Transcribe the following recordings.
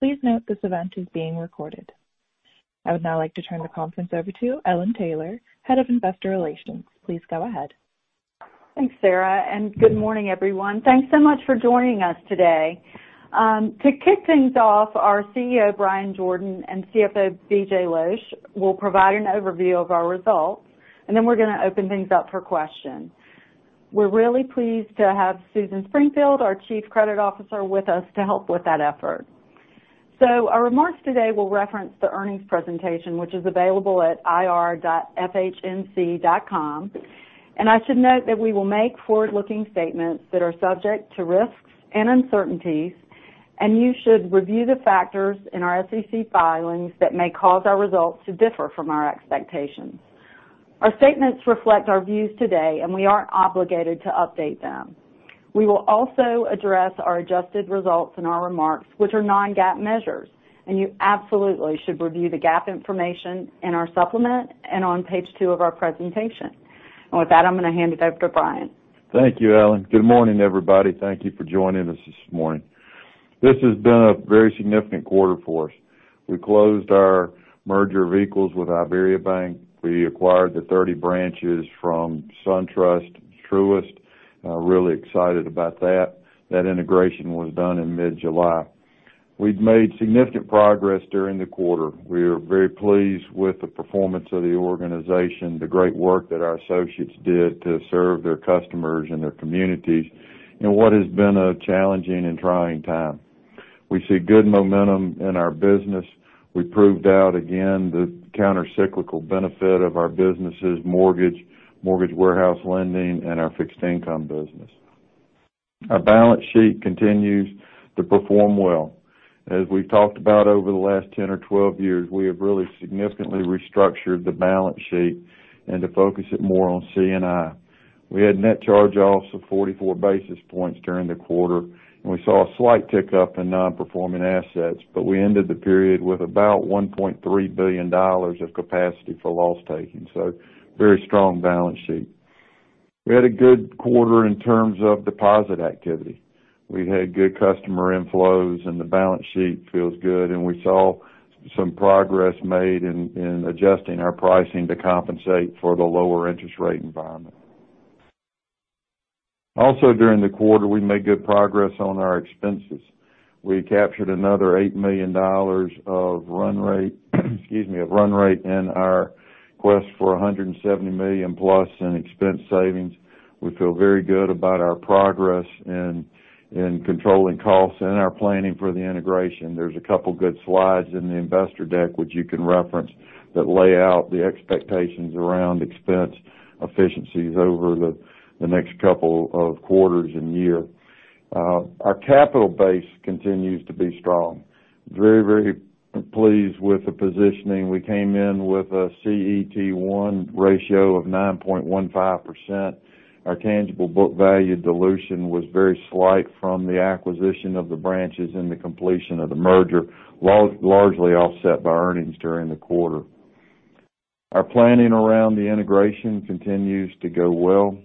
I would now like to turn the conference over to Ellen Taylor, head of investor relations. Please go ahead. Thanks, Sarah and good morning, everyone thanks so much for joining us today. To kick things off, our CEO, Bryan Jordan, and CFO, BJ Losch, will provide an overview of our results. Then we're going to open things up for questions. We're really pleased to have Susan Springfield, our Chief Credit Officer, with us to help with that effort. Our remarks today will reference the earnings presentation, which is available at ir.fhnc.com. I should note that we will make forward-looking statements that are subject to risks and uncertainties. You should review the factors in our SEC filings that may cause our results to differ from our expectations. Our statements reflect our views today and we aren't obligated to update them. We will also address our adjusted results in our remarks, which are non-GAAP measures. You absolutely should review the GAAP information in our supplement and on page two of our presentation. With that, I'm going to hand it over to Bryan. Thank you, Ellen. Good morning, everybody thank you for joining us this morning. This has been a very significant quarter for us. We closed our merger of equals with IBERIABANK. We acquired the 30 branches from SunTrust, Truist, and really excited about that. That integration was done in mid-July. We've made significant progress during the quarter, we are very pleased with the performance of the organization, the great work that our associates did to serve their customers and their communities in what has been a challenging and trying time. We see good momentum in our business. We proved out again the countercyclical benefit of our businesses, mortgage warehouse lending, and our fixed income business. Our balance sheet continues to perform well. As we've talked about over the last 10 or 12 years, we have really significantly restructured the balance sheet and to focus it more on C&I. We had net charge-offs of 44 basis points during the quarter, and we saw a slight tick up in non-performing assets, but we ended the period with about $1.3 billion of capacity for loss taking so, very strong balance sheet. We had a good quarter in terms of deposit activity. We've had good customer inflows, and the balance sheet feels good, and we saw some progress made in adjusting our pricing to compensate for the lower interest rate environment. Also, during the quarter, we made good progress on our expenses. We captured another $8 million of run rate, excuse me, of run rate in our quest for $170 million plus in expense savings. We feel very good about our progress in controlling costs and our planning for the integration there's a couple good slides in the investor deck which you can reference that lay out the expectations around expense efficiencies over the next couple of quarters and year. Our capital base continues to be strong. Very pleased with the positioning we came in with a CET1 ratio of 9.15%. Our tangible book value dilution was very slight from the acquisition of the branches and the completion of the merger, largely offset by earnings during the quarter. Our planning around the integration continues to go well.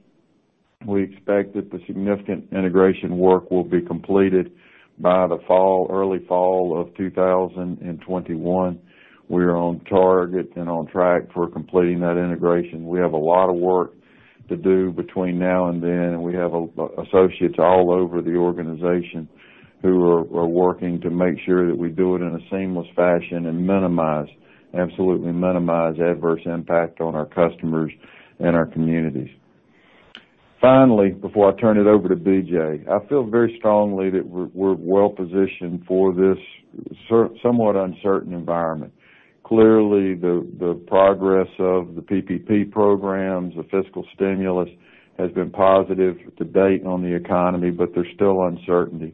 We expect that the significant integration work will be completed by the early fall of 2021. We are on target and on track for completing that integration we have a lot of work to do between now and then, and we have associates all over the organization who are working to make sure that we do it in a seamless fashion and minimize, absolutely minimize adverse impact on our customers and our communities. Finally, before I turn it over to BJ, I feel very strongly that we're well-positioned for this somewhat uncertain environment. Clearly, the progress of the PPP programs, the fiscal stimulus, has been positive to date on the economy, but there's still uncertainty.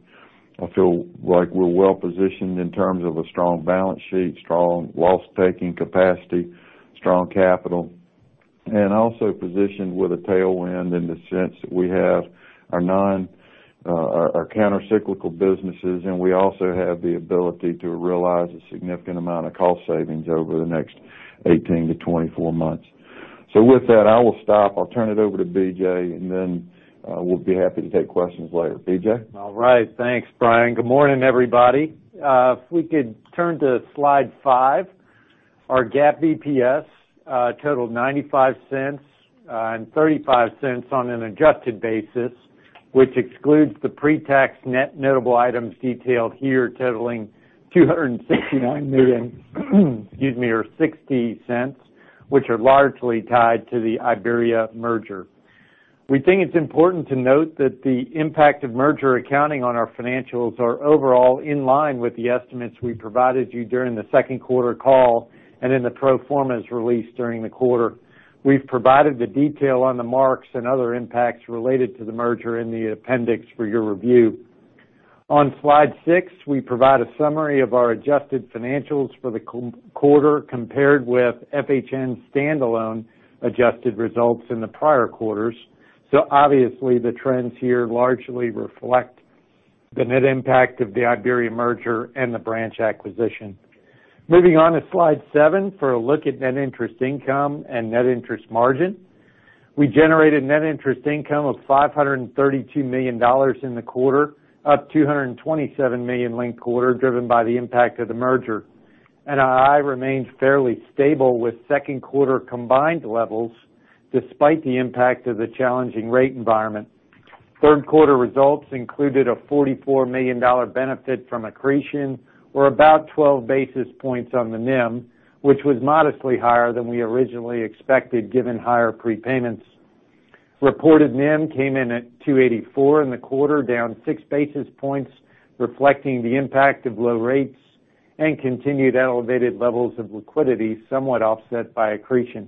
I feel like we're well-positioned in terms of a strong balance sheet, strong loss-taking capacity, strong capital, and also positioned with a tailwind in the sense that we have our countercyclical businesses, and we also have the ability to realize a significant amount of cost savings over the next 18-24 months. With that, I will stop. I'll turn it over to BJ, and then we'll be happy to take questions later. BJ? All right. Thanks, Bryan good morning, everybody. If we could turn to slide five, our GAAP EPS totaled $0.95 and $0.35 on an adjusted basis, which excludes the pre-tax net notable items detailed here totaling $269 million, excuse me, or $0.60, which are largely tied to the Iberia merger. We think it's important to note that the impact of merger accounting on our financials are overall in line with the estimates we provided you during the Q2 call and in the pro formas released during the quarter. We've provided the detail on the marks and other impacts related to the merger in the appendix for your review. On slide six, we provide a summary of our adjusted financials for the quarter compared with FHN standalone adjusted results in the prior quarters. Obviously, the trends here largely reflect the net impact of the Iberia merger and the branch acquisition. Moving on to slide seven for a look at net interest income and net interest margin. We generated net interest income of $532 million in the quarter, up $227 million linked quarter, driven by the impact of the merger. NII remains fairly stable with Q2 combined levels, despite the impact of the challenging rate environment. Q3 results included a $44 million benefit from accretion, or about 12 basis points on the NIM, which was modestly higher than we originally expected given higher prepayments. Reported NIM came in at 284 in the quarter, down six basis points, reflecting the impact of low rates and continued elevated levels of liquidity, somewhat offset by accretion.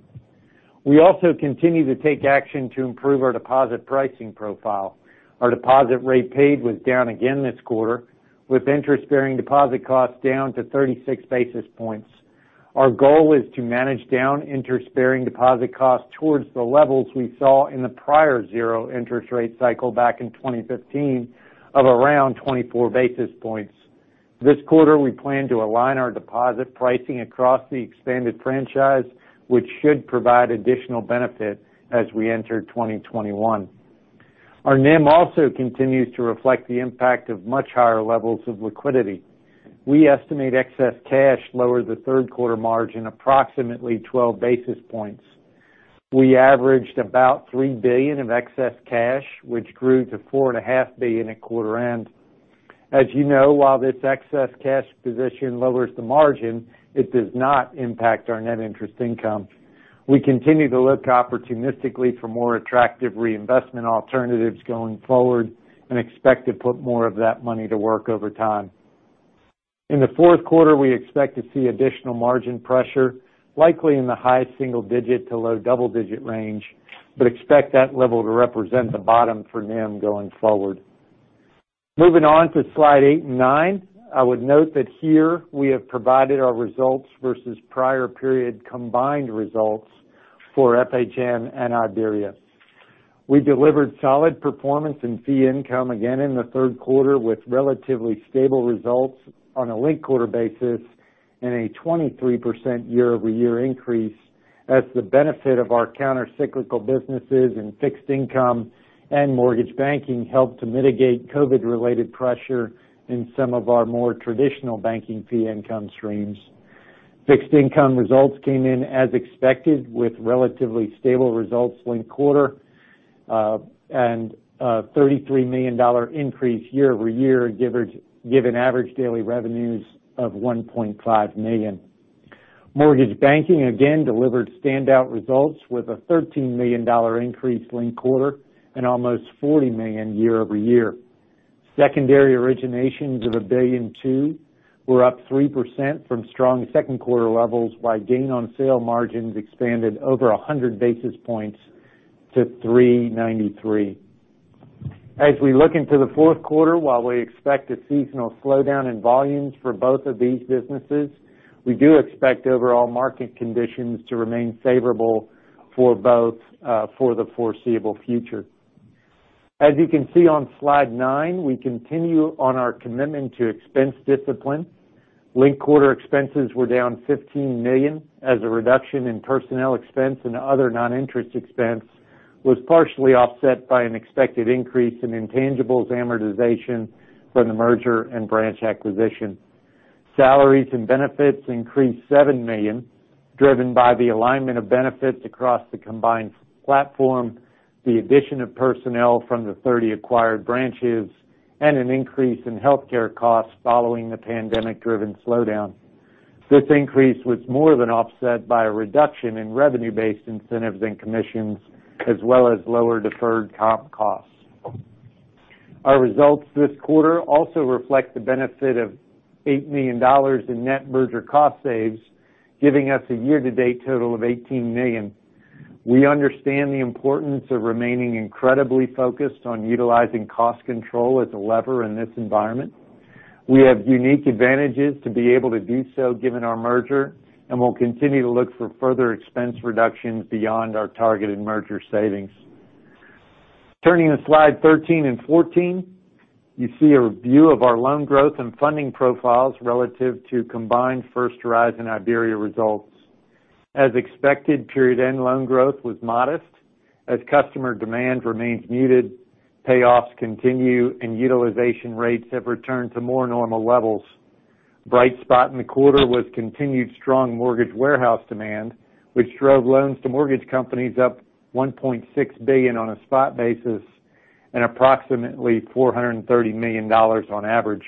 We also continue to take action to improve our deposit pricing profile. Our deposit rate paid was down again this quarter, with interest-bearing deposit costs down to 36 basis points. Our goal is to manage down interest-bearing deposit costs towards the levels we saw in the prior zero interest rate cycle back in 2015 of around 24 basis points. This quarter, we plan to align our deposit pricing across the expanded franchise, which should provide additional benefit as we enter 2021. Our NIM also continues to reflect the impact of much higher levels of liquidity. We estimate excess cash lowered the Q3 margin approximately 12 basis points. We averaged about $3 billion of excess cash, which grew to $4.5 billion at quarter end. As you know, while this excess cash position lowers the margin, it does not impact our net interest income. We continue to look opportunistically for more attractive reinvestment alternatives going forward and expect to put more of that money to work over time. In the Q4, we expect to see additional margin pressure, likely in the high single-digit to low double-digit range, but expect that level to represent the bottom for NIM going forward. Moving on to slide eight and nine, I would note that here we have provided our results versus prior period combined results for FHN and Iberia. We delivered solid performance in fee income again in the Q3, with relatively stable results on a linked quarter basis and a 23% year-over-year increase as the fixed income and mortgage banking helped to mitigate COVID-related pressure in some of our more traditional banking fee income streams. Fixed Income results came in as expected, with relatively stable results linked quarter, and a $33 million increase year-over-year, given average daily revenues of $1.5 million. Mortgage Banking again delivered standout results with a $13 million increase linked quarter and almost $40 million year-over-year. Secondary originations of $1.2 billion were up 3% from strong Q2 levels, while gain on sale margins expanded over 100 basis points to 393. As we look into the Q4, while we expect a seasonal slowdown in volumes for both of these businesses, we do expect overall market conditions to remain favorable for both for the foreseeable future. As you can see on slide nine, we continue on our commitment to expense discipline. Linked quarter expenses were down $15 million as a reduction in personnel expense and other non-interest expense was partially offset by an expected increase in intangibles amortization from the merger and branch acquisition. Salaries and benefits increased $7 million, driven by the alignment of benefits across the combined platform, the addition of personnel from the 30 acquired branches, and an increase in healthcare costs following the pandemic-driven slowdown. This increase was more than offset by a reduction in revenue-based incentives and commissions, as well as lower deferred comp costs. Our results this quarter also reflect the benefit of $8 million in net merger cost saves, giving us a year-to-date total of $18 million. We understand the importance of remaining incredibly focused on utilizing cost control as a lever in this environment. We have unique advantages to be able to do so given our merger, and we'll continue to look for further expense reductions beyond our targeted merger savings. Turning to slide 13 and 14, you see a review of our loan growth and funding profiles relative to combined First Horizon, Iberia results. As expected, period end loan growth was modest as customer demand remains muted, payoffs continue, and utilization rates have returned to more normal levels. Bright spot in the quarter was continued strong mortgage warehouse demand, which drove loans to mortgage companies up $1.6 billion on a spot basis and approximately $430 million on average.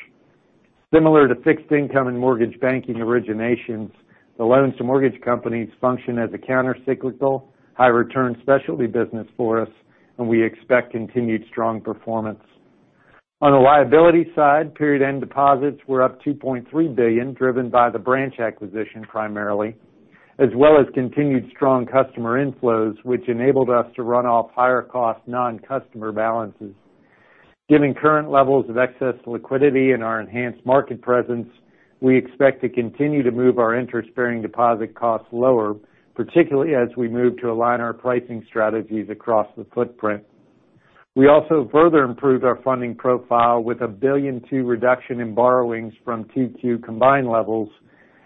Similar to Fixed Income and Mortgage Banking originations, the loans to mortgage companies function as a countercyclical, high-return specialty business for us, and we expect continued strong performance. On the liability side, period end deposits were up $2.3 billion, driven by the branch acquisition primarily. As well as continued strong customer inflows, which enabled us to run off higher cost non-customer balances. Given current levels of excess liquidity in our enhanced market presence, we expect to continue to move our interest-bearing deposit costs lower, particularly as we move to align our pricing strategies across the footprint. We also further improved our funding profile with a $1.2 billion reduction in borrowings from Q2 combined levels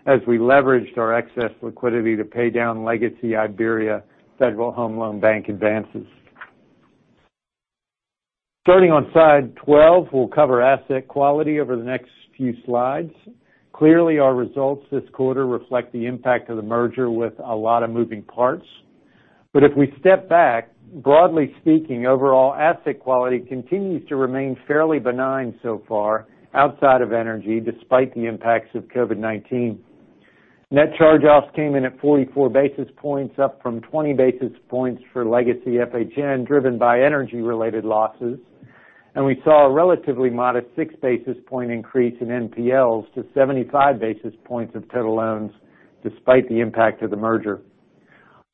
as we leveraged our excess liquidity to pay down legacy Iberia, Federal Home Loan Bank advances. Starting on slide 12, we'll cover asset quality over the next few slides. Clearly, our results this quarter reflect the impact of the merger with a lot of moving parts. If we step back, broadly speaking, overall asset quality continues to remain fairly benign so far outside of energy, despite the impacts of COVID-19. Net charge-offs came in at 44 basis points, up from 20 basis points for legacy FHN, driven by energy-related losses, and we saw a relatively modest six basis point increase in NPLs to 75 basis points of total loans, despite the impact of the merger.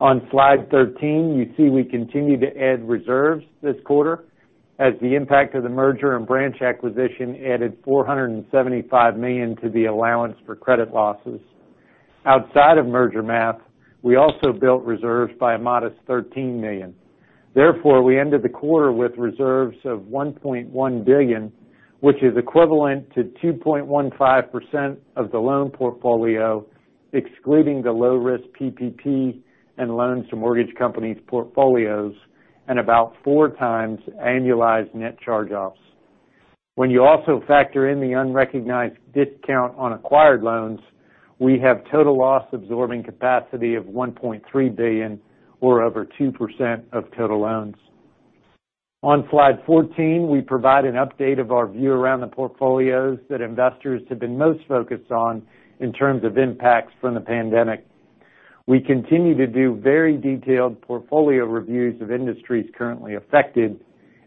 On slide 13, you see we continue to add reserves this quarter as the impact of the merger and branch acquisition added $475 million to the allowance for credit losses. Outside of merger math, we also built reserves by a modest $13 million. We ended the quarter with reserves of $1.1 billion, which is equivalent to 2.15% of the loan portfolio, excluding the low-risk PPP and loans to mortgage companies' portfolios, and about four times annualized net charge-offs. When you also factor in the unrecognized discount on acquired loans, we have total loss absorbing capacity of $1.3 billion or over 2% of total loans. On slide 14, we provide an update of our view around the portfolios that investors have been most focused on in terms of impacts from the pandemic. We continue to do very detailed portfolio reviews of industries currently affected,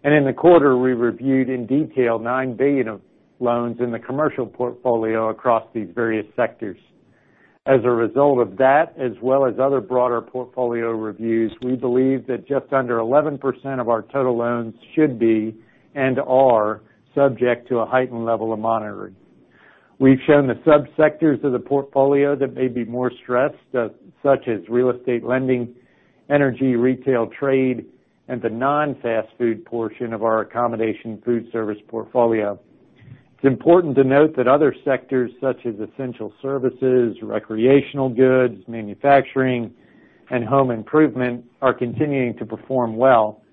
in the quarter, we reviewed in detail $9 billion of loans in the commercial portfolio across these various sectors. As a result of that, as well as other broader portfolio reviews, we believe that just under 11% of our total loans should be and are subject to a heightened level of monitoring. We've shown the sub-sectors of the portfolio that may be more stressed, such as real estate lending, energy, retail trade, and the non-fast food portion of our accommodation food service portfolio. It's important to note that other sectors such as essential services, recreational goods, manufacturing, and home improvement are continuing to perform well.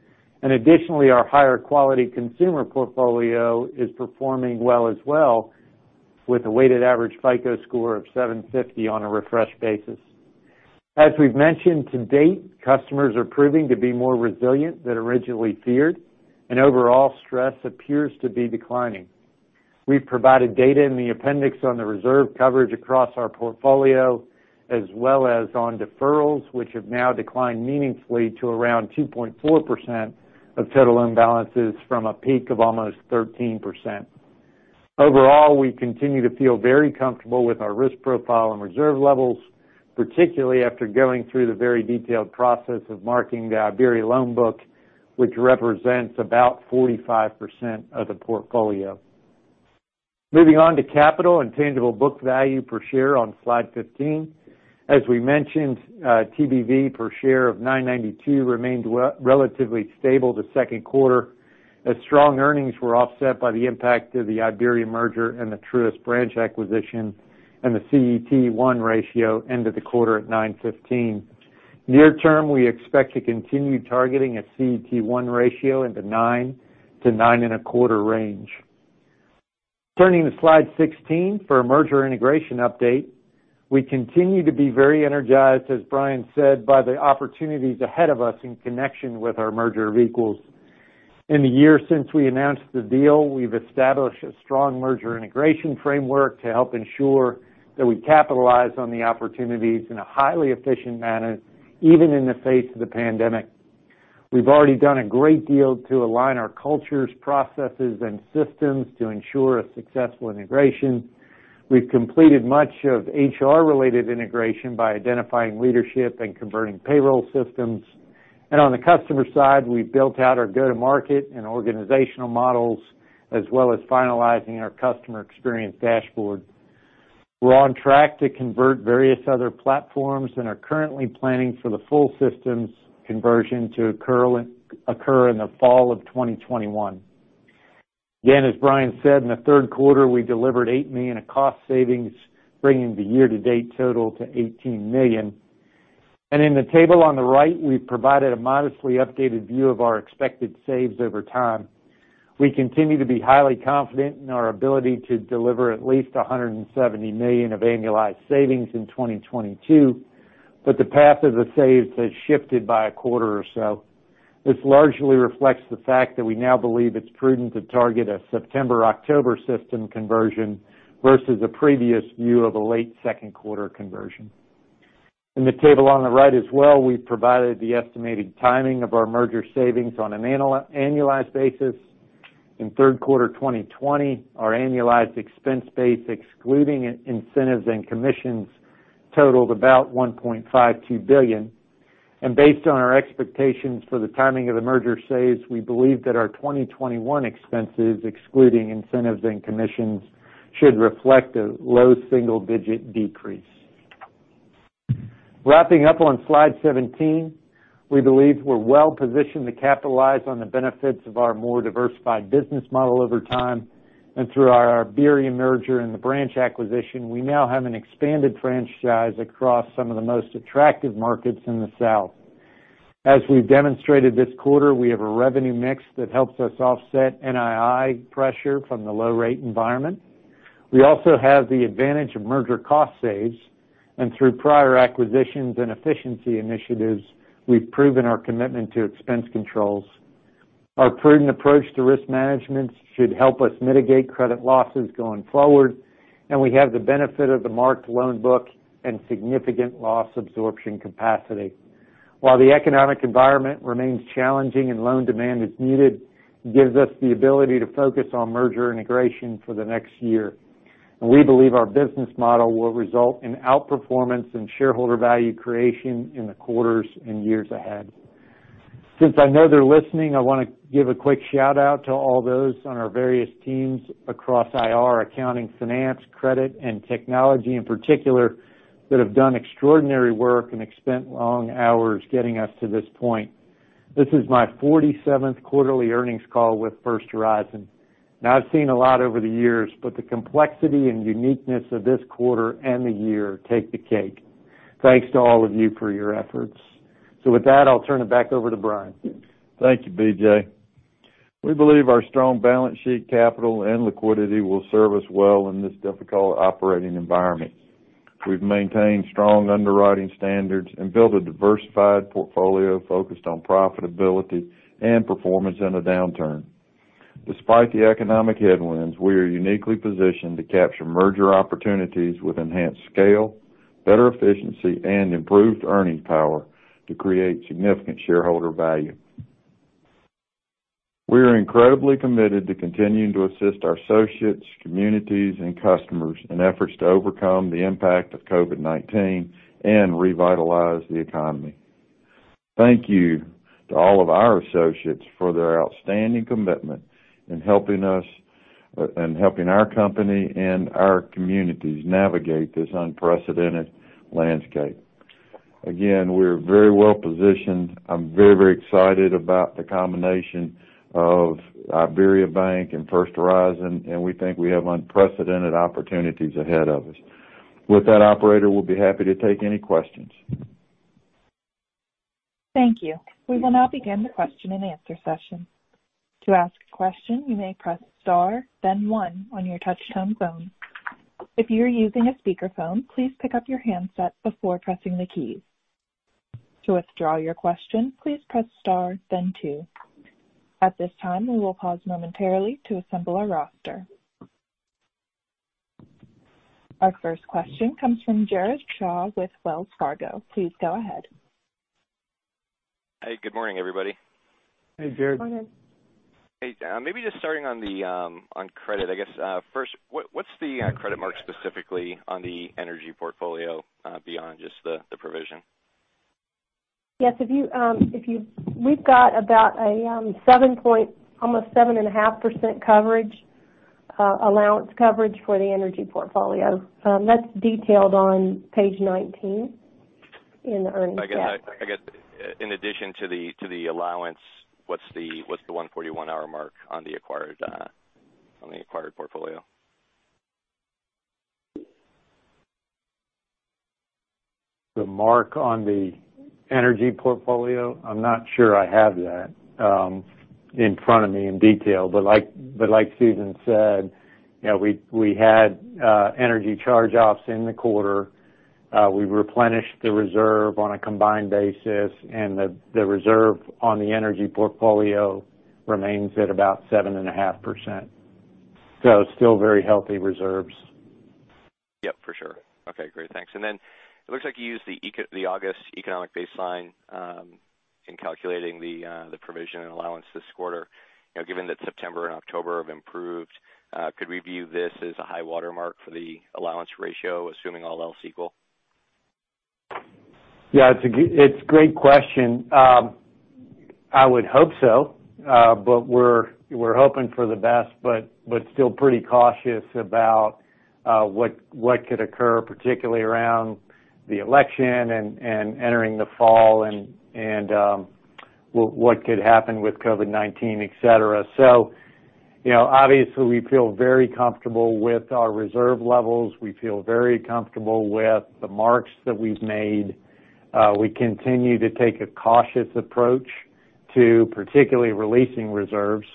Additionally, our higher quality consumer portfolio is performing well as well, with a weighted average FICO Score of 750 on a refreshed basis. As we've mentioned to date, customers are proving to be more resilient than originally feared, and overall stress appears to be declining. We've provided data in the appendix on the reserve coverage across our portfolio, as well as on deferrals, which have now declined meaningfully to around 2.4% of total loan balances from a peak of almost 13%. Overall, we continue to feel very comfortable with our risk profile and reserve levels, particularly after going through the very detailed process of marking the Iberia loan book, which represents about 45% of the portfolio. Moving on to capital and tangible book value per share on slide 15. As we mentioned, TBV per share of $9.92 remained relatively stable the Q2, as strong earnings were offset by the impact of the Iberia merger and the Truist branch acquisition, and the CET1 ratio ended the quarter at 9.15%. Near term, we expect to continue targeting a CET1 ratio in the 9%-9.25% range. Turning to slide 16 for a merger integration update. We continue to be very energized, as Bryan said, by the opportunities ahead of us in connection with our merger of equals. In the year since we announced the deal, we've established a strong merger integration framework to help ensure that we capitalize on the opportunities in a highly efficient manner, even in the face of the pandemic. We've already done a great deal to align our cultures, processes, and systems to ensure a successful integration. We've completed much of HR-related integration by identifying leadership and converting payroll systems. On the customer side, we've built out our go-to-market and organizational models, as well as finalizing our customer experience dashboard. We're on track to convert various other platforms and are currently planning for the full systems conversion to occur in the fall of 2021. As Bryan said, in the Q3, we delivered $8 million in cost savings, bringing the year-to-date total to $18 million. In the table on the right, we've provided a modestly updated view of our expected saves over time. We continue to be highly confident in our ability to deliver at least $170 million of annualized savings in 2022, but the path of the saves has shifted by a quarter or so. This largely reflects the fact that we now believe it's prudent to target a September-October system conversion versus a previous view of a late Q2 conversion. In the table on the right as well, we've provided the estimated timing of our merger savings on an annualized basis. In Q3 2020, our annualized expense base, excluding incentives and commissions, totaled about $1.52 billion. Based on our expectations for the timing of the merger saves, we believe that our 2021 expenses, excluding incentives and commissions, should reflect a low single-digit decrease. Wrapping up on slide 17, we believe we're well-positioned to capitalize on the benefits of our more diversified business model over time. Through our Iberia merger and the branch acquisition, we now have an expanded franchise across some of the most attractive markets in the South. As we've demonstrated this quarter, we have a revenue mix that helps us offset NII pressure from the low rate environment. We also have the advantage of merger cost saves, and through prior acquisitions and efficiency initiatives, we've proven our commitment to expense controls. Our prudent approach to risk management should help us mitigate credit losses going forward, and we have the benefit of the marked loan book and significant loss absorption capacity. While the economic environment remains challenging and loan demand is muted, it gives us the ability to focus on merger integration for the next year. We believe our business model will result in outperformance and shareholder value creation in the quarters and years ahead. Since I know they're listening, I want to give a quick shout-out to all those on our various teams across IR, accounting, finance, credit, and technology in particular, that have done extraordinary work and have spent long hours getting us to this point. This is my 47th quarterly earnings call with First Horizon. I've seen a lot over the years, but the complexity and uniqueness of this quarter and the year take the cake. Thanks to all of you for your efforts. With that, I'll turn it back over to Bryan. Thank you, BJ. We believe our strong balance sheet capital and liquidity will serve us well in this difficult operating environment. We've maintained strong underwriting standards and built a diversified portfolio focused on profitability and performance in a downturn. Despite the economic headwinds, we are uniquely positioned to capture merger opportunities with enhanced scale, better efficiency, and improved earnings power to create significant shareholder value. We are incredibly committed to continuing to assist our associates, communities, and customers in efforts to overcome the impact of COVID-19 and revitalize the economy. Thank you to all of our associates for their outstanding commitment in helping our company and our communities navigate this unprecedented landscape. We're very well-positioned. I'm very excited about the combination of IBERIABANK and First Horizon and we think we have unprecedented opportunities ahead of us. With that, operator, we'll be happy to take any questions. Thank you. We will now begin the question and answer session. At this time, we will pause momentarily to assemble our roster. Our first question comes from Jared Shaw with Wells Fargo. Please go ahead. Hey, good morning, everybody. Hey, Jared. Morning. Hey. Maybe just starting on credit, I guess, first, what's the credit mark specifically on the energy portfolio beyond just the provision? Yes. We've got about almost 7.5% allowance coverage for the energy portfolio. That's detailed on page 19 in the earnings deck. I guess, in addition to the allowance, what's the FAS 141(R) mark on the acquired portfolio? The mark on the energy portfolio, I'm not sure I have that in front of me in detail but like Susan said, we had energy charge-offs in the quarter. We replenished the reserve on a combined basis, and the reserve on the energy portfolio remains at about 7.5%. Still very healthy reserves. Yep, for sure. Okay, great. Thanks. It looks like you used the August economic baseline in calculating the provision and allowance this quarter. Given that September and October have improved, could we view this as a high water mark for the allowance ratio? assuming all else equal? Yeah, it's a great question. I would hope so. We're hoping for the best, but still pretty cautious about what could occur, particularly around the election and entering the fall and what could happen with COVID-19, et cetera. Obviously, we feel very comfortable with our reserve levels, we feel very comfortable with the marks that we've made. We continue to take a cautious approach to particularly releasing reserves.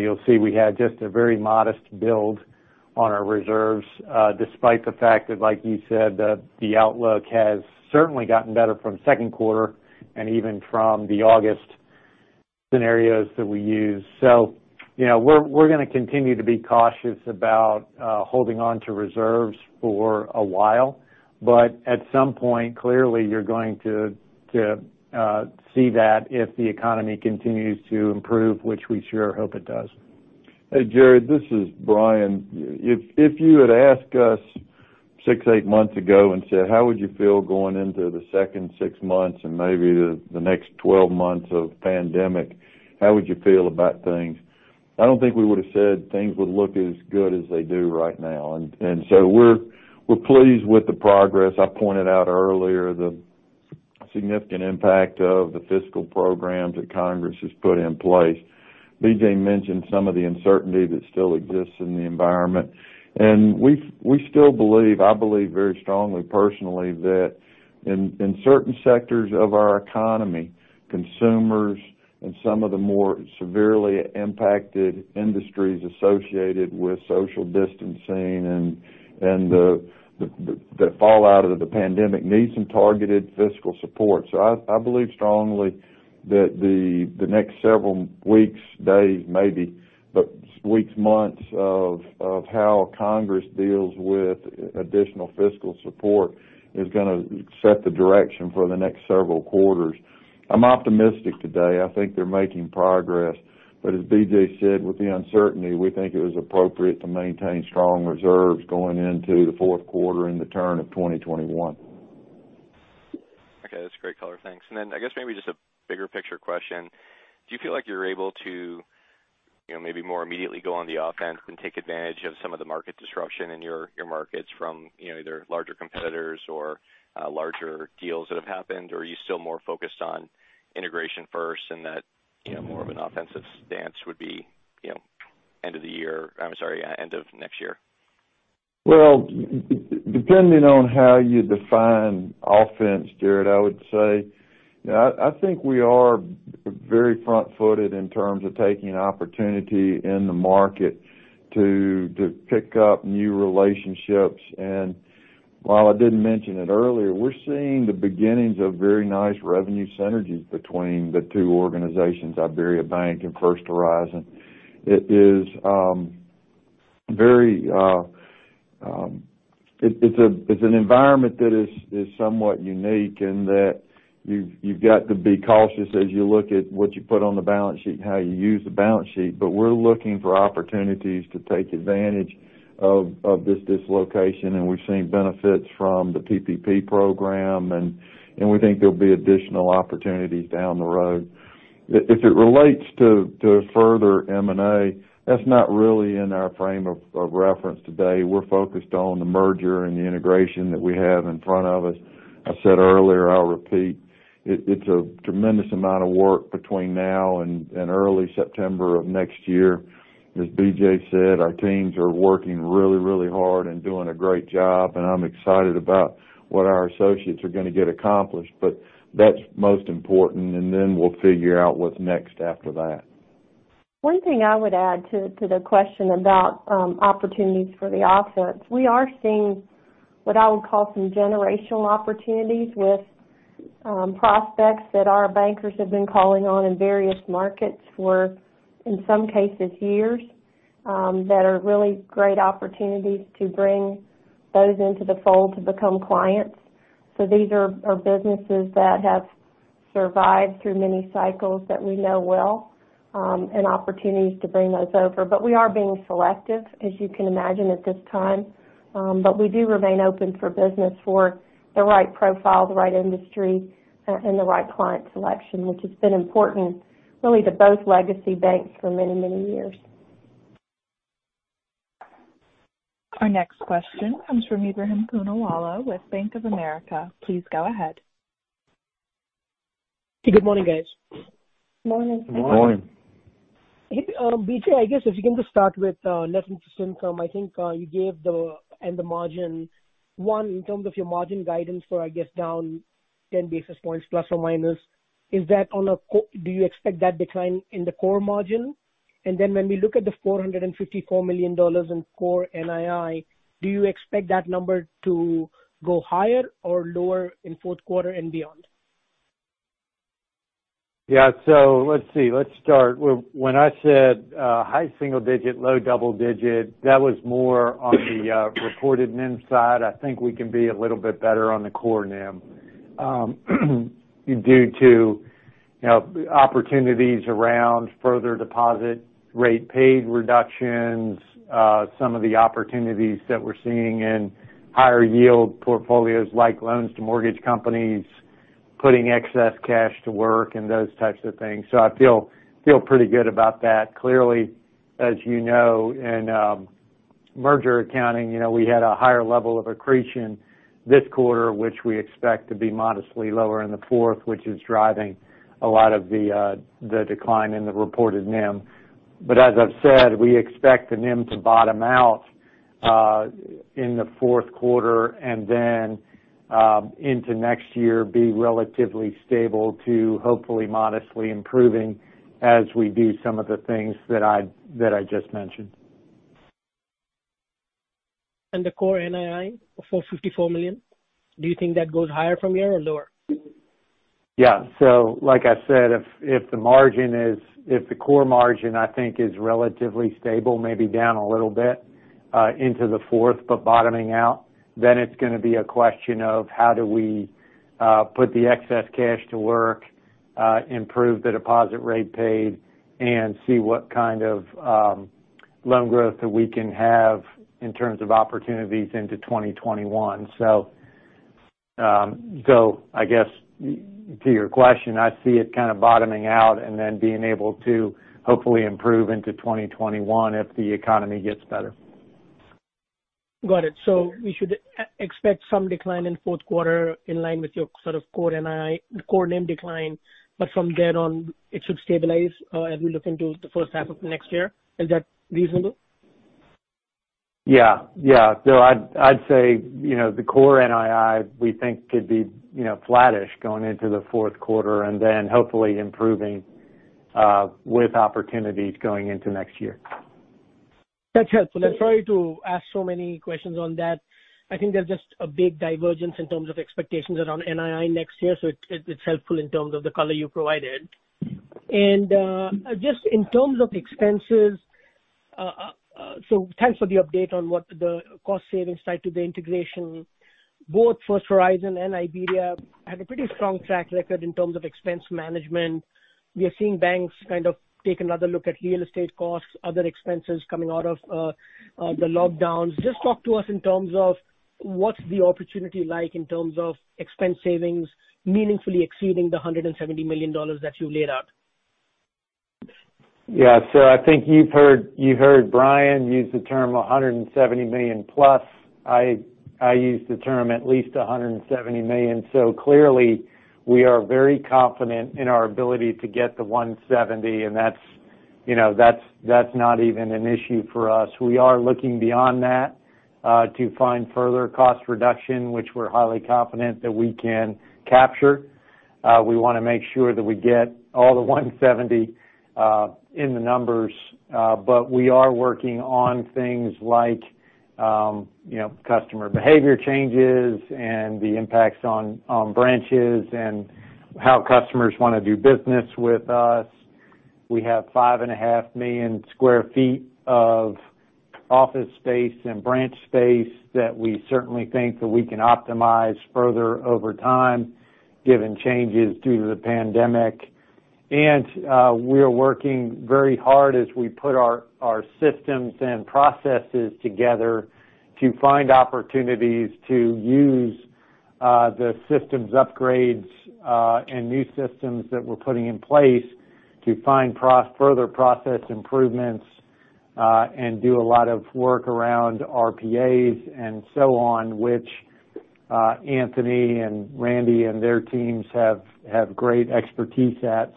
You'll see we had just a very modest build on our reserves, despite the fact that, like you said, the outlook has certainly gotten better from Q2 and even from the August scenarios that we used. We're going to continue to be cautious about holding on to reserves for a while. But at some point, clearly, you're going to see that if the economy continues to improve, which we sure hope it does. Hey, Jared, this is Bryan. If you had asked us six, eight months ago and said, "How would you feel going into the second six months and maybe the next 12 months of pandemic? How would you feel about things?" I don't think we would've said things would look as good as they do right now. We're pleased with the progress i pointed out earlier the significant impact of the fiscal programs that Congress has put in place. BJ mentioned some of the uncertainty that still exists in the environment. We still believe, I believe very strongly personally, that in certain sectors of our economy, consumers and some of the more severely impacted industries associated with social distancing and the- -fallout of the pandemic need some targeted fiscal support i believe strongly that the next several weeks, days maybe, but weeks, months of how Congress deals with additional fiscal support is going to set the direction for the next several quarters. I'm optimistic today i think they're making progress. As BJ said, with the uncertainty, we think it was appropriate to maintain strong reserves going into the Q4 and the turn of 2021. Okay. That's great color thanks i guess maybe just a bigger picture question. Do you feel like you're able to maybe more immediately go on the offense and take advantage of some of the market disruption in your markets from either larger competitors or larger deals that have happened? are you still more focused on integration first and that more of an offensive stance would be end of next year? Well, depending on how you define offense, Jared, I would say, I think we are very front-footed in terms of taking opportunity in the market to pick up new relationships. While I didn't mention it earlier, we're seeing the beginnings of very nice revenue synergies between the two organizations, IBERIABANK and First Horizon. It's an environment that is somewhat unique in that you've got to be cautious as you look at what you put on the balance sheet and how you use the balance sheet but we're looking for opportunities to take advantage of this dislocation, and we've seen benefits from the PPP program, and we think there'll be additional opportunities down the road. If it relates to further M&A, that's not really in our frame of reference today, we're focused on the merger and the integration that we have in front of us. I said earlier, I'll repeat, it's a tremendous amount of work between now and early September of next year. As BJ said, our teams are working really hard and doing a great job, and I'm excited about what our associates are going to get accomplished but, that's most important, and then we'll figure out what's next after that. One thing I would add to the question about opportunities for the offense. We are seeing what I would call some generational opportunities with prospects that our bankers have been calling on in various markets for, in some cases, years, that are really great opportunities to bring those into the fold to become clients. These are businesses that have survived through many cycles that we know well, and opportunities to bring those over but we are being selective, as you can imagine, at this time. We do remain open for business for the right profile, the right industry, and the right client selection, which has been important really to both legacy banks for many years. Our next question comes from Ebrahim Poonawala with Bank of America. Please go ahead. Good morning, guys. Morning. Good morning. Hey, BJ, I guess if you can just start with net interest income i think you gave the end of margin in terms of your margin guidance for, I guess down 10 basis points ±. Do you expect that decline in the core margin? then when we look at the $454 million in core NII, do you expect that number to go higher? or lower in Q4 and beyond? Yeah. Let's see. Let's start when I said high single digit, low double digit, that was more on the reported NIM side. I think we can be a little bit better on the core NIM, due to opportunities around further deposit rate paid reductions, some of the opportunities that we're seeing in higher yield portfolios, like loans to mortgage companies, putting excess cash to work, and those types of things so i feel pretty good about that clearly- -as you know, in merger accounting, we had a higher level of accretion this quarter, which we expect to be modestly lower in the Q4, which is driving a lot of the decline in the reported NIM. As I've said, we expect the NIM to bottom out in the Q4, and then into next year, be relatively stable to hopefully modestly improving as we do some of the things that I just mentioned. The core NII of $454 million, do you think that goes higher from here or lower? Yeah like I said, if the core margin I think is relatively stable, maybe down a little bit into the Q4, but bottoming out, then it's going to be a question of how do we put the excess cash to work, improve the deposit rate paid and see what kind of loan growth that we can have in terms of opportunities into 2021. I guess, to your question, I see it kind of bottoming out and then being able to hopefully improve into 2021 if the economy gets better. Got it. We should expect some decline in Q4 in line with your sort of core NIM decline, but from then on, it should stabilize as we look into the first half of next year? Is that reasonable? Yeah. I'd say, the core NII, we think, could be flattish going into the Q4, and then hopefully improving with opportunities going into next year. That's helpful sorry to ask so many questions on that. I think there's just a big divergence in terms of expectations around NII next year, so it's helpful in terms of the color you provided. Just in terms of expenses, thanks for the update on what the cost savings tied to the integration. Both First Horizon and Iberia have a pretty strong track record in terms of expense management. We are seeing banks kind of take another look at real estate costs, other expenses coming out of the lockdowns. Just talk to us in terms of what's the opportunity like in terms of expense savings meaningfully exceeding the $170 million that you laid out. Yeah. I think you heard Bryan use the term +$170 million. I used the term at least $170 million so clearly, we are very confident in our ability to get to $170 million, and that's not even an issue for us we are looking beyond that, to find further cost reduction, which we're highly confident that we can capture. We want to make sure that we get all the $170 million in the numbers. But we are working on things like customer behavior changes and the impacts on branches and how customers want to do business with us. We have 5.5 million square feet of office space and branch space that we certainly think that we can optimize further over time, given changes due to the pandemic. We are working very hard as we put our systems and processes together to find opportunities to use the systems upgrades, and new systems that we're putting in place to find further process improvements, and do a lot of work around RPAs and so on, which Anthony and Randy and their teams have great expertise at.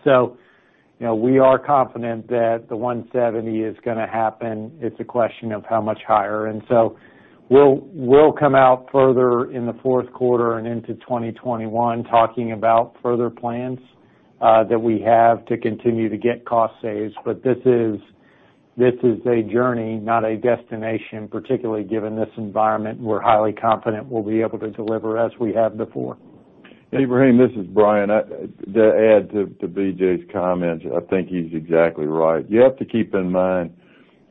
We are confident that the $170 million is going to happen. It's a question of how much higher. We'll come out further in the Q4 and into 2021 talking about further plans that we have to continue to get cost saves. This is a journey, not a destination, particularly given this environment we're highly confident we'll be able to deliver as we have before. Ebrahim, this is Bryan. To add to BJ's comments, I think he's exactly right you have to keep in mind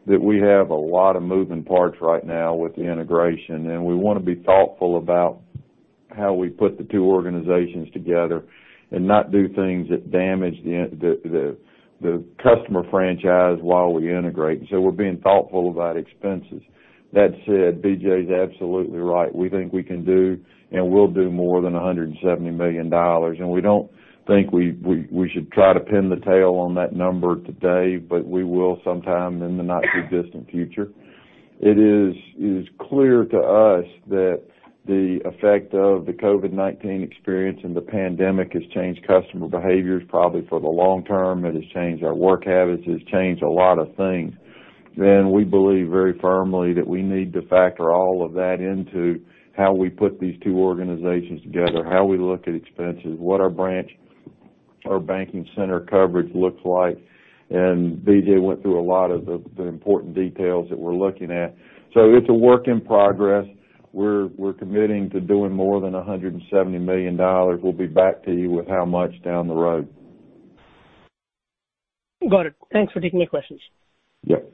that we have a lot of moving parts right now with the integration, we want to be thoughtful about how we put the two organizations together and not do things that damage the customer franchise while we integrate we're being thoughtful about expenses. That said, BJ's absolutely right we think we can do, and will do more than $170 million we don't think we should try to pin the tail on that number today, we will sometime in the not too distant future. It is clear to us that the effect of the COVID-19 experience and the pandemic has changed customer behaviors, probably for the long term. It has changed our work habits. It has changed a lot of things. We believe very firmly that we need to factor all of that into how we put these two organizations together, how we look at expenses, what our branch or banking center coverage looks like. BJ went through a lot of the important details that we're looking at. It's a work in progress. We're committing to doing more than $170 million we'll be back to you with how much down the road. Got it. Thanks for taking the questions. Yep.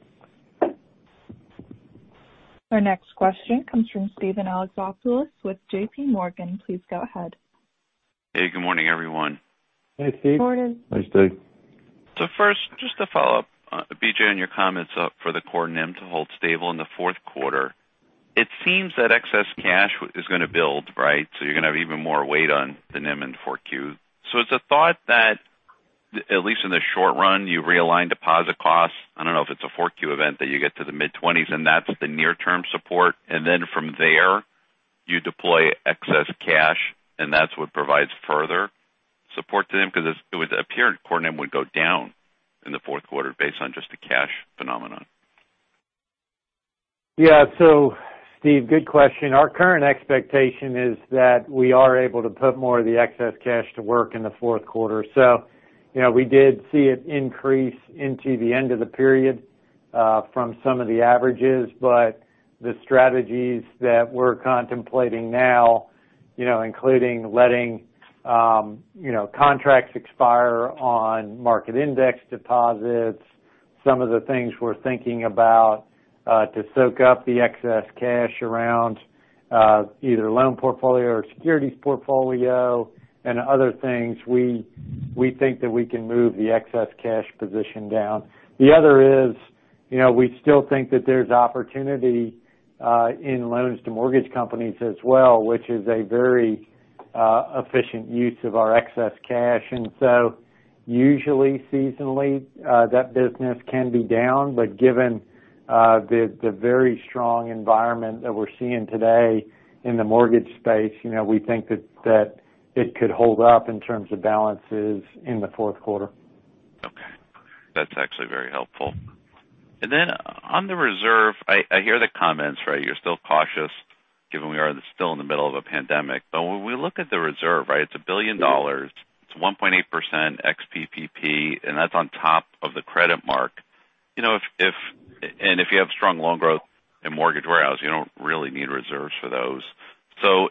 Our next question comes from Steven Alexopoulos with J.P. Morgan. Please go ahead. Hey, good morning, everyone. Hey, Steve. Morning. Hi, Steve. First, just to follow up, BJ, on your comments for the core NIM to hold stable in the Q4. It seems that excess cash is going to build, right? You're going to have even more weight on the NIM in Q4. Is the thought that, at least in the short run, you realign deposit costs? I don't know if it's a Q4 event that you get to the mid-20s and that's the near-term support, and then from there you deploy excess cash and that's what provides further support to NIM because it would appear core NIM would go down in the Q4 based on just a cash phenomenon. Steve, good question our current expectation is that we are able to put more of the excess cash to work in the Q4. We did see it increase into the end of the period from some of the averages but, the strategies that we're contemplating now, including letting contracts expire on market index deposits, some of the things we're thinking about to soak up the excess cash around either loan portfolio or securities portfolio and other things, we think that we can move the excess cash position down. The other is, we still think that there's opportunity in loans to mortgage companies as well, which is a very efficient use of our excess cash and so, usually, seasonally, that business can be down, but given the very strong environment that we're seeing today in the mortgage space, we think that it could hold up in terms of balances in the Q4. Okay. That's actually very helpful. Then on the reserve, I hear the comments, right? You're still cautious given we are still in the middle of a pandemic. When we look at the reserve, right? It's $1 billion. It's 1.8% ex PPP, that's on top of the credit mark. If you have strong loan growth in mortgage warehouse, you don't really need reserves for those.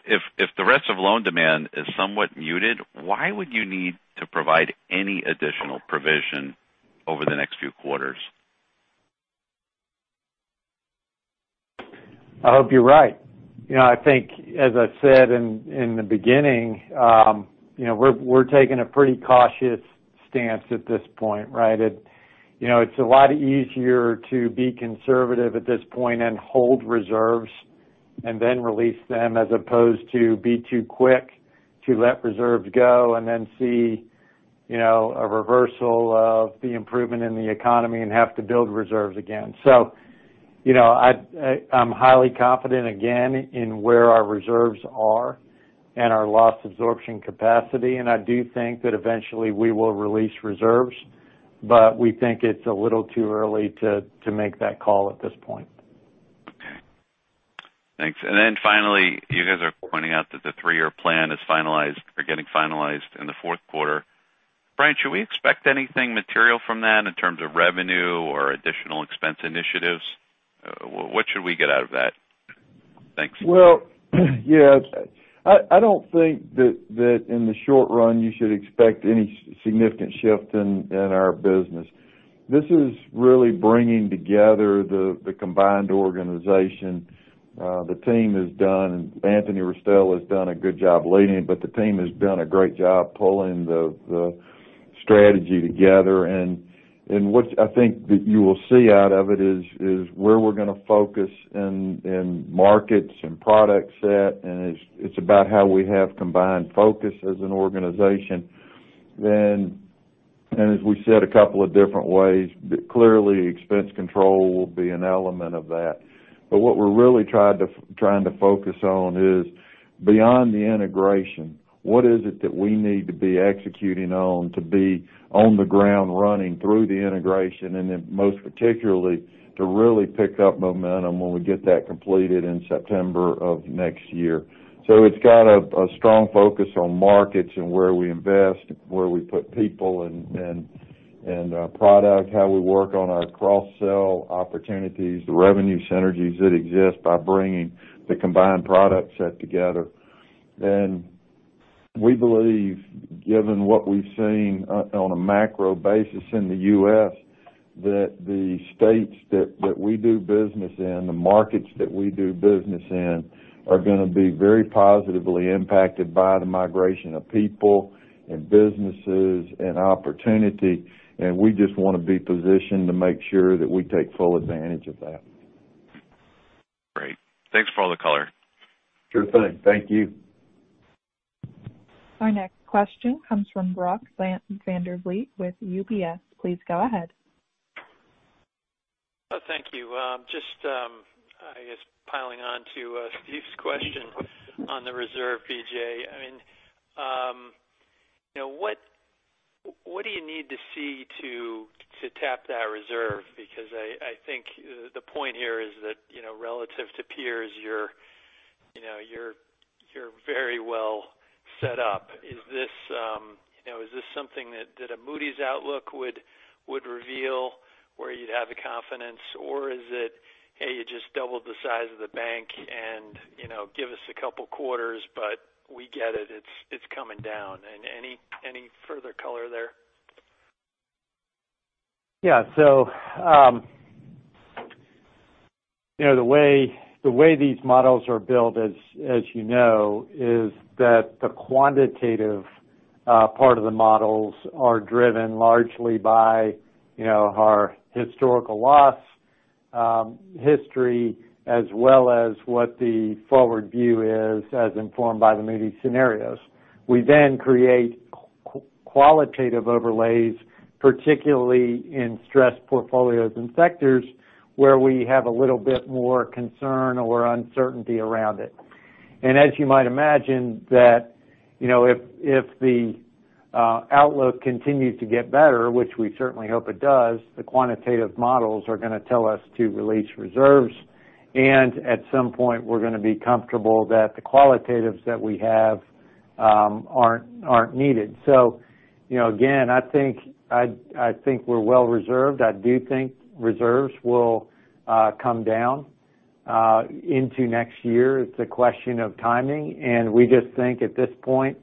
If the rest of loan demand is somewhat muted, why would you need to provide any additional provision over the next few quarters? I hope you're right. I think, as I said in the beginning, we're taking a pretty cautious stance at this point, right? It's a lot easier to be conservative at this point and hold reserves and then release them as opposed to be too quick to let reserves go and then see a reversal of the improvement in the economy and have to build reserves again. I'm highly confident again in where our reserves are and our loss absorption capacity, and I do think that eventually we will release reserves. We think it's a little too early to make that call at this point. Okay. Thanks. Finally, you guys are pointing out that the three-year plan is getting finalized in the Q4. Bryan, should we expect anything material from that in terms of revenue or additional expense initiatives? What should we get out of that? Thanks. Well, yeah. I don't think that in the short run, you should expect any significant shift in our business. This is really bringing together the combined organization. Anthony Restel has done a good job leading it, but the team has done a great job pulling the strategy together and, what I think that you will see out of it is where we're going to focus in markets and product set, and it's about how we have combined focus as an organization. As we said a couple of different ways, clearly expense control will be an element of that. What we're really trying to focus on is beyond the integration, what is it that we need to be executing on to be on the ground running through the integration, and then most particularly, to really pick up momentum when we get that completed in September of next year. It's got a strong focus on markets and where we invest, where we put people and product, how we work on our cross-sell opportunities, the revenue synergies that exist by bringing the combined product set together. We believe, given what we've seen on a macro basis in the U.S., that the states that we do business in, the markets that we do business in, are going to be very positively impacted by the migration of people and businesses and opportunity. We just want to be positioned to make sure that we take full advantage of that. Great. Thanks for all the color. Sure thing. Thank you. Our next question comes from Brock Vandervliet with UBS. Please go ahead. Thank you. Just, I guess, piling on to Steve's question on the reserve, BJ. What do you need to see to tap that reserve? because I think the point here is that, relative to peers, you're very well set up is this something that a Moody's outlook would reveal where you'd have the confidence? or is it, "Hey, you just doubled the size of the bank and give us a couple of quarters, but we get it it's coming down." Any further color there? Yeah. The way these models are built as you know is that the quantitative part of the models are driven largely by our historical loss history as well as what the forward view is as informed by the Moody's scenarios. We create qualitative overlays, particularly in stress portfolios and sectors where we have a little bit more concern or uncertainty around it. As you might imagine that if the outlook continues to get better, which we certainly hope it does, the quantitative models are going to tell us to release reserves. At some point, we're going to be comfortable that the qualitatives that we have aren't needed. Again, I think we're well reserved i do think reserves will come down. Into next year it's a question of timing, and we just think at this point,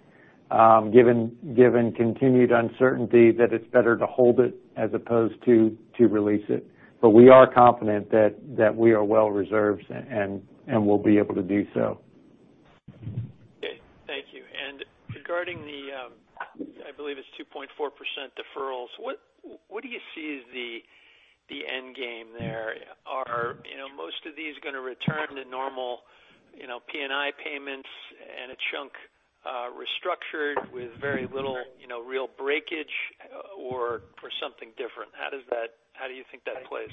given continued uncertainty, that it's better to hold it as opposed to release it. We are confident that we are well reserved, and will be able to do so. Okay. Thank you. Regarding the, I believe it's 2.4% deferrals, what do you see as the end game there? Are most of these going to return to normal P&I payments and a chunk restructured with very little real breakage? or something different? How do you think that plays?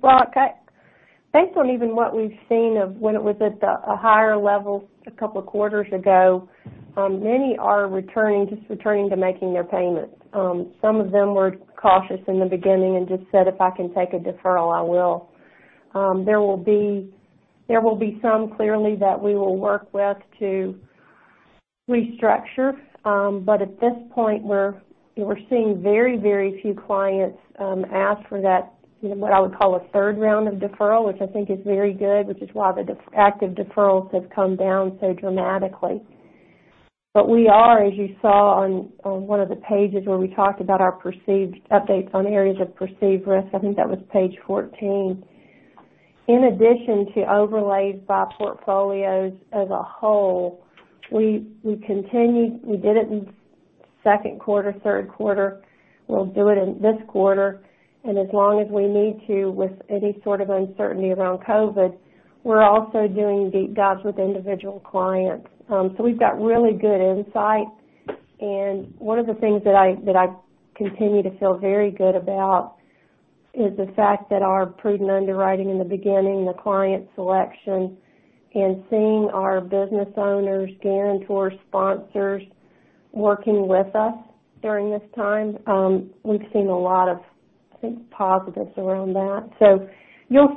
Brock, based on even what we've seen of when it was at a higher level a couple of quarters ago, many are just returning to making their payments. Some of them were cautious in the beginning and just said, "If I can take a deferral, I will." There will be some clearly that we will work with to restructure. But at this point, we're seeing very few clients ask for that, what I would call a third round of deferral, which I think is very good, which is why the active deferrals have come down so dramatically. We are, as you saw on one of the pages where we talked about our updates on areas of perceived risk, I think that was page 14. In addition to overlays by portfolios as a whole, we did it in Q2, Q3. We'll do it in this quarter. As long as we need to, with any sort of uncertainty around COVID, we're also doing deep dives with individual clients. We've got really good insight and, one of the things that I continue to feel very good about is the fact that our prudent underwriting in the beginning, the client selection, and seeing our business owners, guarantors, sponsors working with us during this time, we've seen a lot of positives around that. Your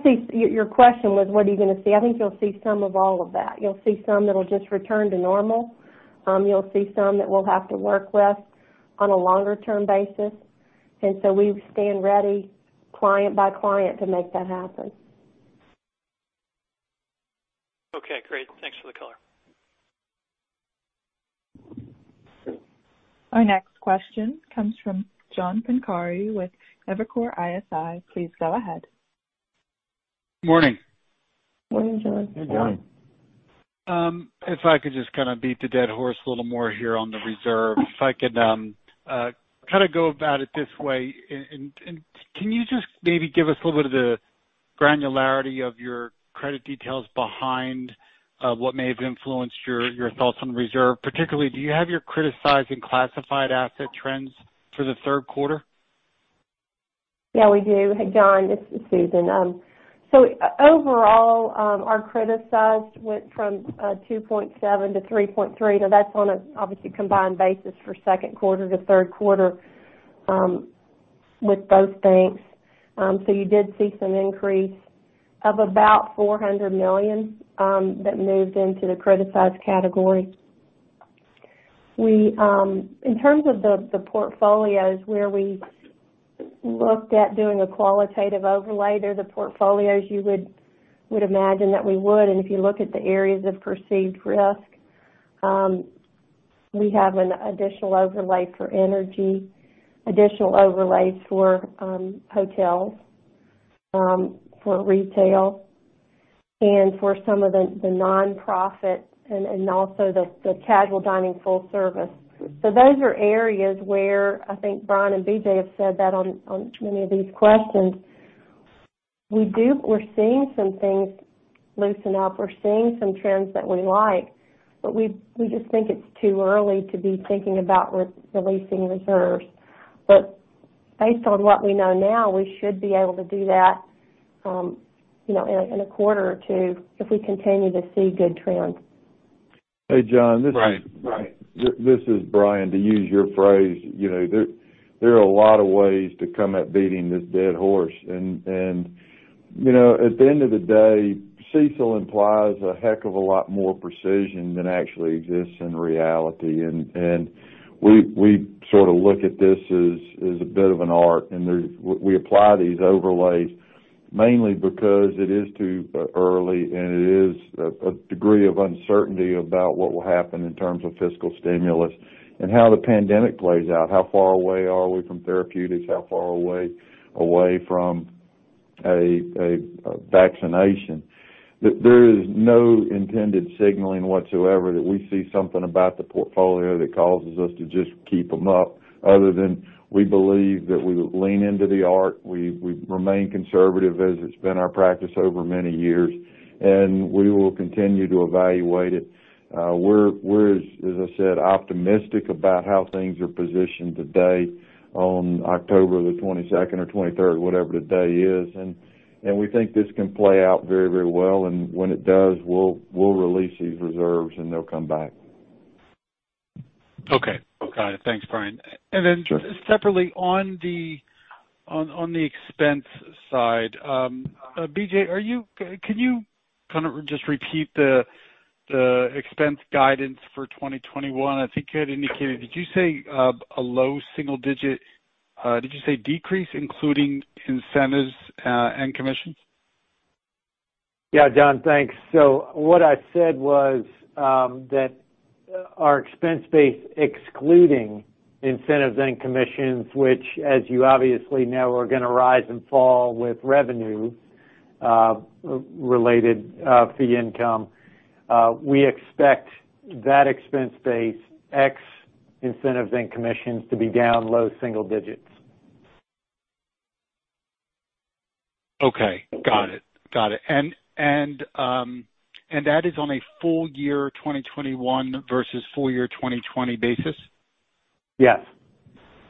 question was, what are you going to see? I think you'll see some of all of that, you'll see some that'll just return to normal. You'll see some that we'll have to work with on a longer-term basis. We stand ready, client by client, to make that happen. Okay, great. Thanks for the color. Our next question comes from John Pancari with Evercore ISI. Please go ahead. Morning. Morning, John. Hey, John. If I could just kind of beat the dead horse a little more here on the reserve, if I could kind of go about it this way, can you just maybe give us a little bit of the granularity of your credit details behind what may have influenced your thoughts on reserve? particularly, do you have your criticized and classified asset trends for the Q3? Yeah, we do John, this is Susan. Overall, our criticized went from 2.7 to 3.3 that's on a, obviously, combined basis for Q2 to Q3 with both banks. You did see some increase of about $400 million that moved into the criticized category. In terms of the portfolios where we looked at doing a qualitative overlay they're the portfolios you would imagine that we would, and if you look at the areas of perceived risk, we have an additional overlay for energy, additional overlays for hotels, for retail, and for some of the nonprofits and also the casual dining full service. Those are areas where I think Bryan and BJ have said that on many of these questions. We're seeing some things loosen up, we're seeing some trends that we like, but we just think it's too early to be thinking about releasing reserves. Based on what we know now, we should be able to do that in a quarter or Q2 if we continue to see good trends. Hey, John. Right. This is Bryan to use your phrase, there are a lot of ways to come at beating this dead horse. You know at the end of the day, CECL implies a heck of a lot more precision than actually exists in reality. We sort of look at this as a bit of an art, and we apply these overlays mainly because it is too early, and it is a degree of uncertainty about what will happen in terms of fiscal stimulus and how the pandemic plays out how far away are we from therapeutics? How far away from- -a vaccination? there is no intended signaling whatsoever that we see something about the portfolio that causes us to just keep them up other than we believe that we lean into the art, we remain conservative as it's been our practice over many years, and we will continue to evaluate it. We're, as I said, optimistic about how things are positioned today on October the 22nd or 23rd, whatever the day is, and we think this can play out very well and when it does, we'll release these reserves, and they'll come back. Okay. Got it. Thanks, Bryan. Sure. Separately on the expense side, BJ, can you kind of just repeat the expense guidance for 2021? I think you had indicated, did you say, a low single digit? Did you say decrease including incentives and commissions? Yeah, John thanks. What I said was that our expense base, excluding incentives and commissions, which as you obviously know, are going to rise and fall with revenue-related fee income, we expect that expense base ex incentives and commissions to be down low single digits. Okay. Got it. That is on a full year 2021 versus full year 2020 basis? Yes.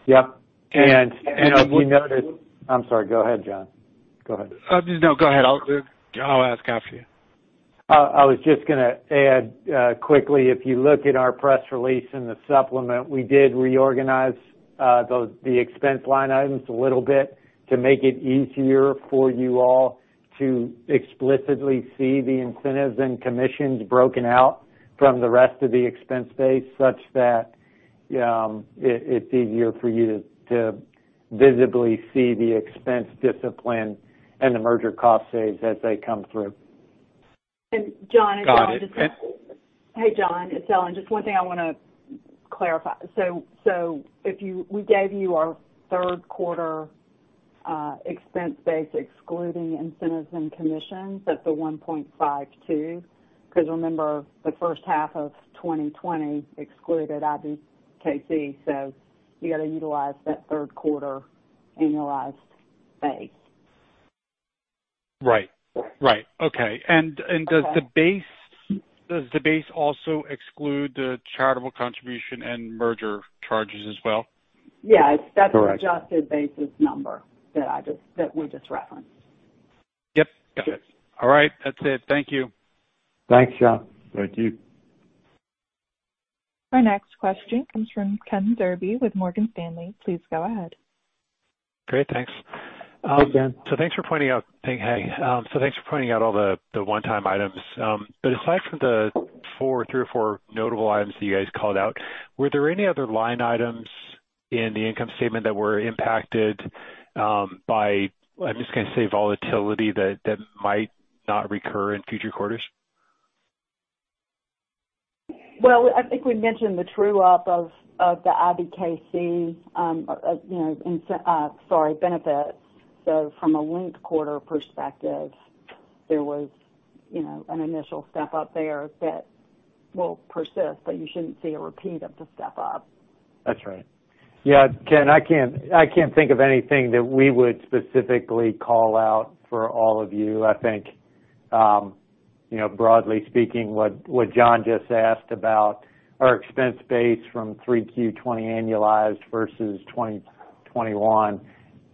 Yep. I'm sorry go ahead, John. Go ahead. Oh, just no, go ahead. I'll ask after you. I was just going to add quickly, if you look at our press release in the supplement, we did reorganize the expense line items a little bit to make it easier for you all to explicitly see the incentives and commissions broken out from the rest of the expense base, such that it's easier for you to visibly see the expense discipline and the merger cost saves as they come through. Got it. Hey, John, it's Ellen just one thing I want to clarify. We gave you our Q3 expense base excluding incentives and commissions. That's the 1.52, because remember the first half of 2020 excluded IBKC, so you got to utilize that Q3 annualized base. Right. Okay. Okay. Does the base also exclude the charitable contribution and merger charges as well? Yeah. Correct. That's the adjusted basis number that we just referenced. Yep. Got it all right, that's it thank you. Thanks, John. Thank you. Our next question comes from Ken Zerbe with Morgan Stanley. Please go ahead. Great, thanks. Hey, Ken. Thanks for pointing out all the one-time items. Aside from the three or four notable items that you guys called out, were there any other line items in the income statement that were impacted by, I'm just going to say, volatility that might not recur in future quarters? Well, I think we mentioned the true-up of the IBKC benefits. From a linked quarter perspective, there was an initial step-up there that will persist, but you shouldn't see a repeat of the step-up. That's right. Yeah, Ken, I can't think of anything that we would specifically call out for all of you i think broadly speaking, what John just asked about our expense base from Q3 2020 annualized versus 2021,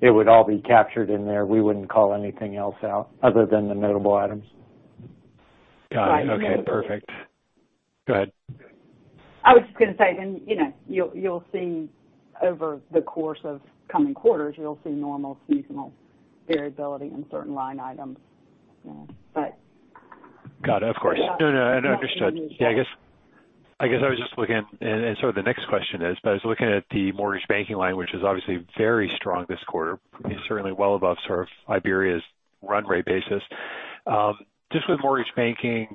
it would all be captured in there we wouldn't call anything else out other than the notable items. Got it. Okay, perfect. Right. Go ahead. I was just going to say, over the course of coming quarters, you'll see normal seasonal variability in certain line items. Got it. Of course. No, understood. Yeah, I guess I was just looking, and sort of the next question is, but I was looking at the Mortgage Banking line, which is obviously very strong this quarter. I mean, certainly well above Iberia's run rate basis. Just with Mortgage Banking,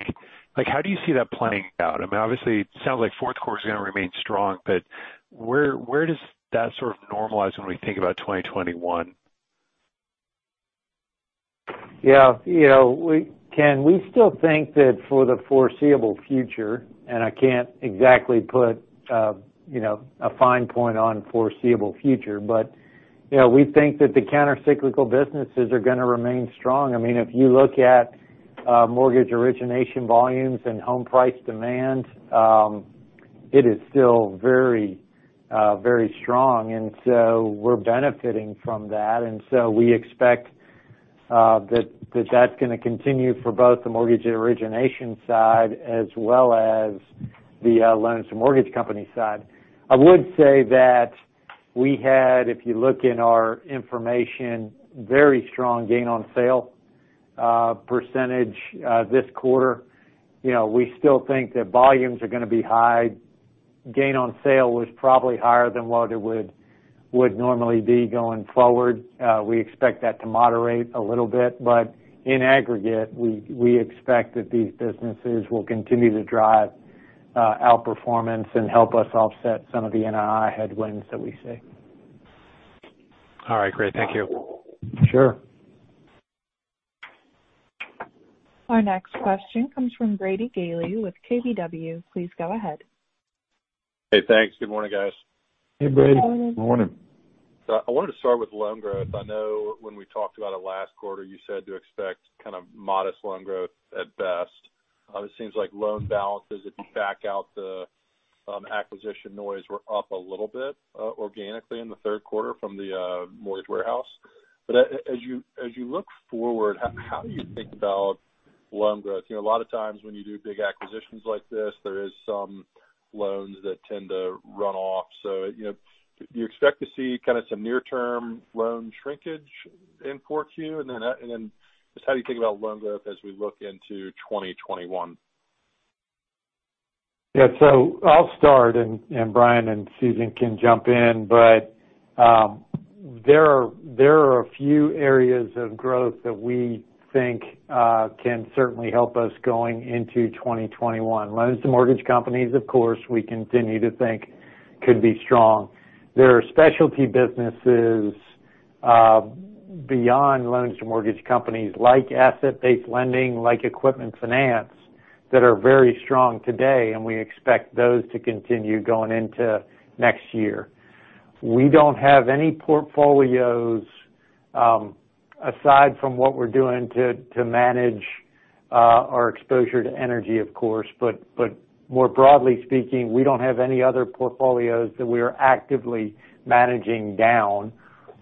how do you see that playing out? I mean, obviously, it sounds like Q4 is going to remain strong, but where does that sort of normalize when we think about 2021? Yeah. Ken, we still think that for the foreseeable future, and I can't exactly put a fine point on foreseeable future, but we think that the countercyclical businesses are going to remain strong i mean, if you look at mortgage origination volumes and home price demand, it is still very strong, and so we're benefiting from that and so we expect that's going to continue for both the mortgage origination side as well as the loans and mortgage company side. I would say that we had, if you look in our information, very strong gain on sale percentage this quarter. We still think that volumes are going to be high. Gain on sale was probably higher than what it would normally be going forward. We expect that to moderate a little bit, but in aggregate, we expect that these businesses will continue to drive outperformance and help us offset some of the NII headwinds that we see. All right, great. Thank you. Sure. Our next question comes from Brady Gailey with KBW. Please go ahead. Hey, thanks good morning, guys. Hey, Brady. Good morning. I wanted to start with loan growth i know when we talked about it last quarter, you said to expect kind of modest loan growth at best. It seems like loan balances, if you back out the acquisition noise, were up a little bit organically in the Q3 from the mortgage warehouse. As you look forward, how do you think about loan growth? a lot of times when you do big acquisitions like this, there is some loans that tend to run off so, do you expect to see kind of some near-term loan shrinkage in Q4? Just how do you think about loan growth as we look into 2021? Yeah. I'll start and Bryan and Susan can jump in but, there are a few areas of growth that we think can certainly help us going into 2021 loans to mortgage companies, of course, we continue to think could be strong. There are specialty businesses beyond loans to mortgage companies like asset-based lending, like equipment finance, that are very strong today, and we expect those to continue going into next year. We don't have any portfolios, aside from what we're doing to manage our exposure to energy, of course but, more broadly speaking, we don't have any other portfolios that we are actively managing down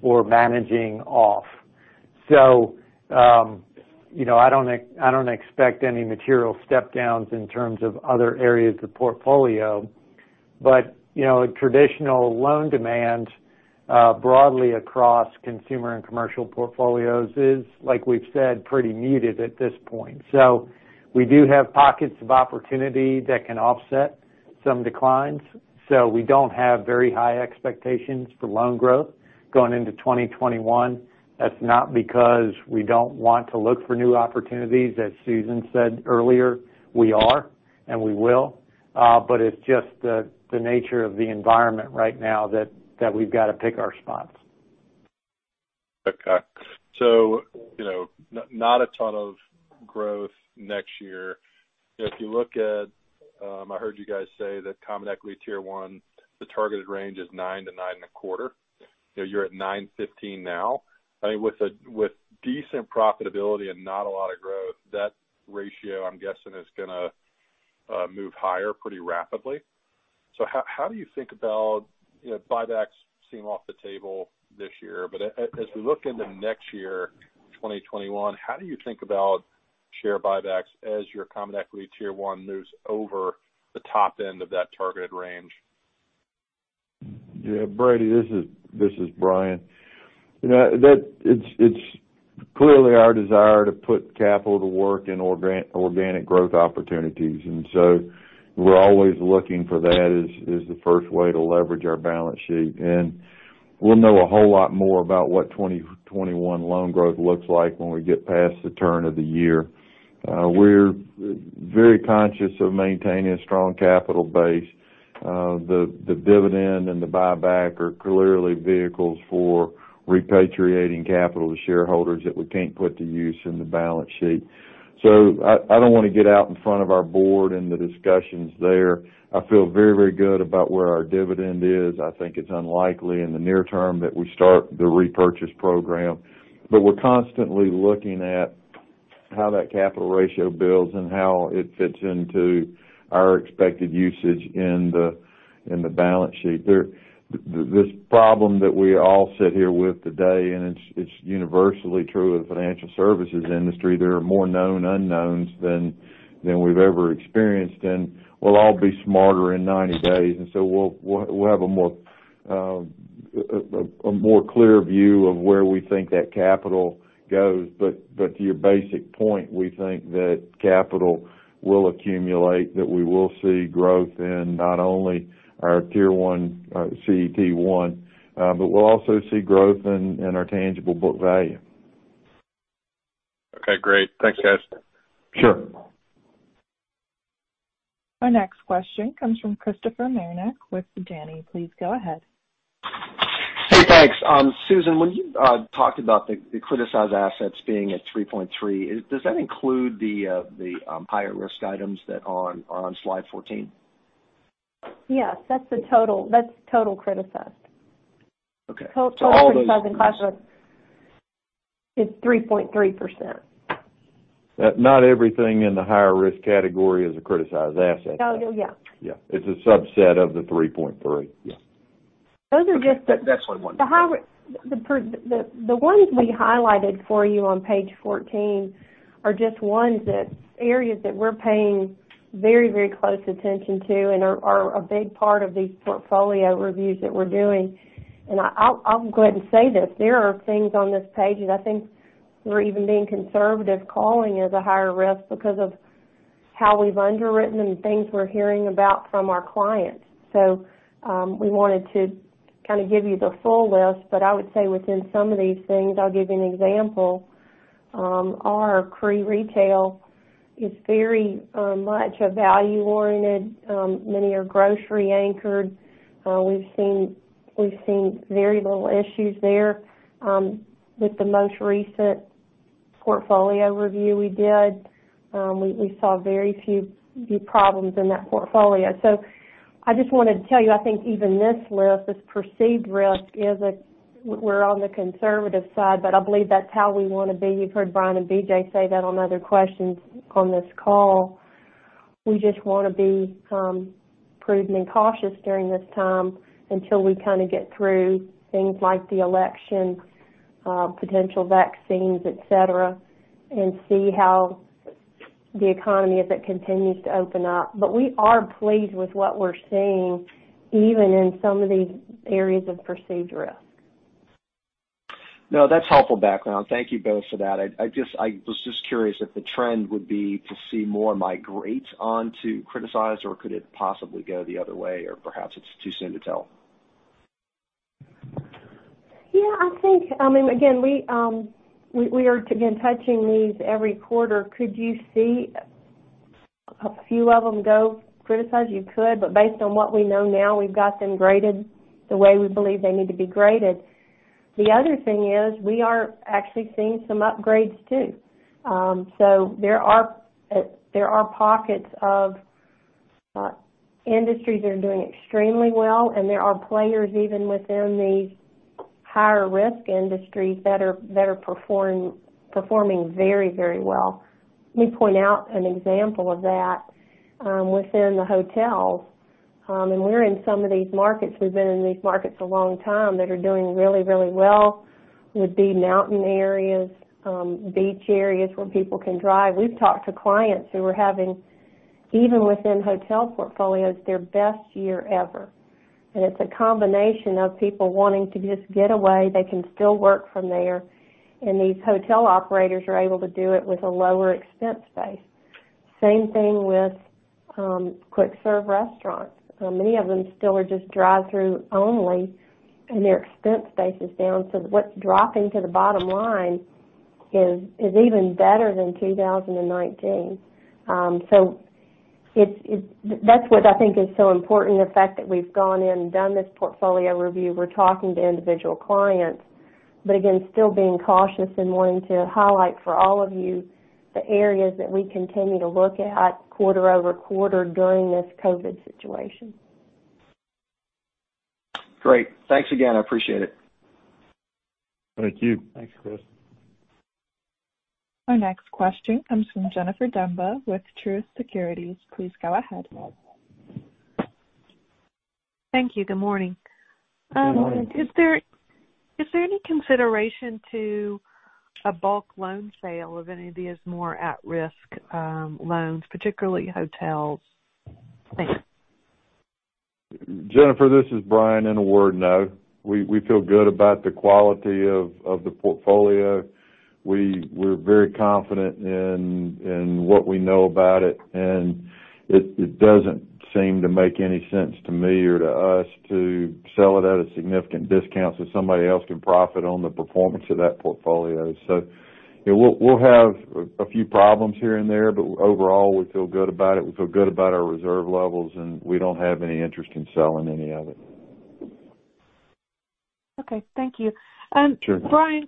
or managing off. I don't expect any material step downs in terms of other areas of the portfolio. But in traditional loan demand broadly across consumer and commercial portfolios is, like we've said, pretty muted at this point. We do have pockets of opportunity that can offset some declines. We don't have very high expectations for loan growth going into 2021. That's not because we don't want to look for new opportunities, as Susan said earlier. We are, and we will. It's just the nature of the environment right now that we've got to pick our spots. Okay. not a ton of growth next year. If you look at. I heard you guys say that common equity Tier 1, the targeted range is 9 and 9 and a quarter. You're at 9.15 now. I think with decent profitability and not a lot of growth, that ratio, I'm guessing, is going to move higher pretty rapidly? how do you think about buybacks seem off the table this year, but as we look into next year, 2021, how do you think about share buybacks as your common equity Tier 1 moves over the top end of that targeted range? Yeah, Brady, this is Bryan. It's clearly our desire to put capital to work in organic growth opportunities and so, we're always looking for that as the first way to leverage our balance sheet. We'll know a whole lot more about what 2021 loan growth looks like when we get past the turn of the year. We're very conscious of maintaining a strong capital base. The dividend and the buyback are clearly vehicles for repatriating capital to shareholders that we can't put to use in the balance sheet. I don't want to get out in front of our board and the discussions there. I feel very, very good about where our dividend is i think it's unlikely in the near term that we start the repurchase program. But we're constantly looking at how that capital ratio builds and how it fits into our expected usage in the balance sheet. This problem that we all sit here with today, and it's universally true of the financial services industry, there are more known unknowns than we've ever experienced, and we'll all be smarter in 90 days we'll have a more clear view of where we think that capital goes but to your basic point, we think that capital will accumulate, that we will see growth in not only our CET1, but we'll also see growth in our tangible book value. Okay, great. Thanks, guys. Sure. Our next question comes from Christopher Marinac with Janney. Please go ahead. Hey, thanks. Susan, when you talked about the criticized assets being at 3.3%, does that include the higher risk items that are on slide 14? Yes, that's the total criticized. Okay. all those- Total criticized in classified is 3.3%. Not everything in the higher risk category is a criticized asset. Oh, yeah. Yeah. It's a subset of the 3.3% yeah. Those are just the- Okay. That's what I wanted to know. The ones we highlighted for you on page 14 are just ones that areas that we're paying very close attention to and are a big part of these portfolio reviews that we're doing. I'll go ahead and say this, there are things on this page that I think we're even being conservative calling as a higher risk because of how we've underwritten them, things we're hearing about from our clients. We wanted to kind of give you the full list, but I would say within some of these things, I'll give you an example. Our CRE retail is very much a value-oriented. Many are grocery anchored. We've seen very little issues there with the most recent portfolio review we did. We saw very few problems in that portfolio. I just wanted to tell you, I think even this list, this perceived risk, we're on the conservative side, but I believe that's how we want to be you've heard Bryan and BJ say that on other questions on this call. We just want to be prudent and cautious during this time until we kind of get through things like the election, potential vaccines, et cetera, and see how the economy, as it continues to open up but we are pleased with what we're seeing, even in some of these areas of perceived risk. No, that's helpful background thank you both for that i was just curious if the trend would be to see more migrate onto criticized? or could it possibly go the other way? or perhaps it's too soon to tell? Yeah, I think, again, we are touching these every quarter could you see a few of them go criticize? you could, but based on what we know now, we've got them graded the way we believe they need to be graded. The other thing is we are actually seeing some upgrades, too. There are pockets of industries that are doing extremely well, and there are players even within these higher-risk industries that are performing very well. Let me point out an example of that within the hotels, and we're in some of these markets we've been in these markets a long time that are doing really well. Would be mountain areas, beach areas where people can drive we've talked to clients who are having, even within hotel portfolios, their best year ever. It's a combination of people wanting to just get away, they can still work from there, and these hotel operators are able to do it with a lower expense base. Same thing with quick-serve restaurants, many of them still are just drive-through only, and their expense base is down what's dropping to the bottom line is even better than 2019. That's what I think is so important, the fact that we've gone in and done this portfolio review, we're talking to individual clients, but again, still being cautious and wanting to highlight for all of you the areas that we continue to look at quarter-over-quarter during this COVID situation. Great. Thanks again. I appreciate it. Thank you. Thanks, Chris. Our next question comes from Jennifer Demba with Truist Securities. Please go ahead. Thank you. Good morning. Good morning. Is there any consideration to a bulk loan sale of any of these more at-risk loans, particularly hotels? Thanks. Jennifer, this is Bryan in a word, no. We feel good about the quality of the portfolio. We're very confident in what we know about it, and it doesn't seem to make any sense to me or to us to sell it at a significant discount so somebody else can profit on the performance of that portfolio. We'll have a few problems here and there, but overall, we feel good about it we feel good about our reserve levels, and we don't have any interest in selling any of it. Okay. Thank you. Sure. Bryan,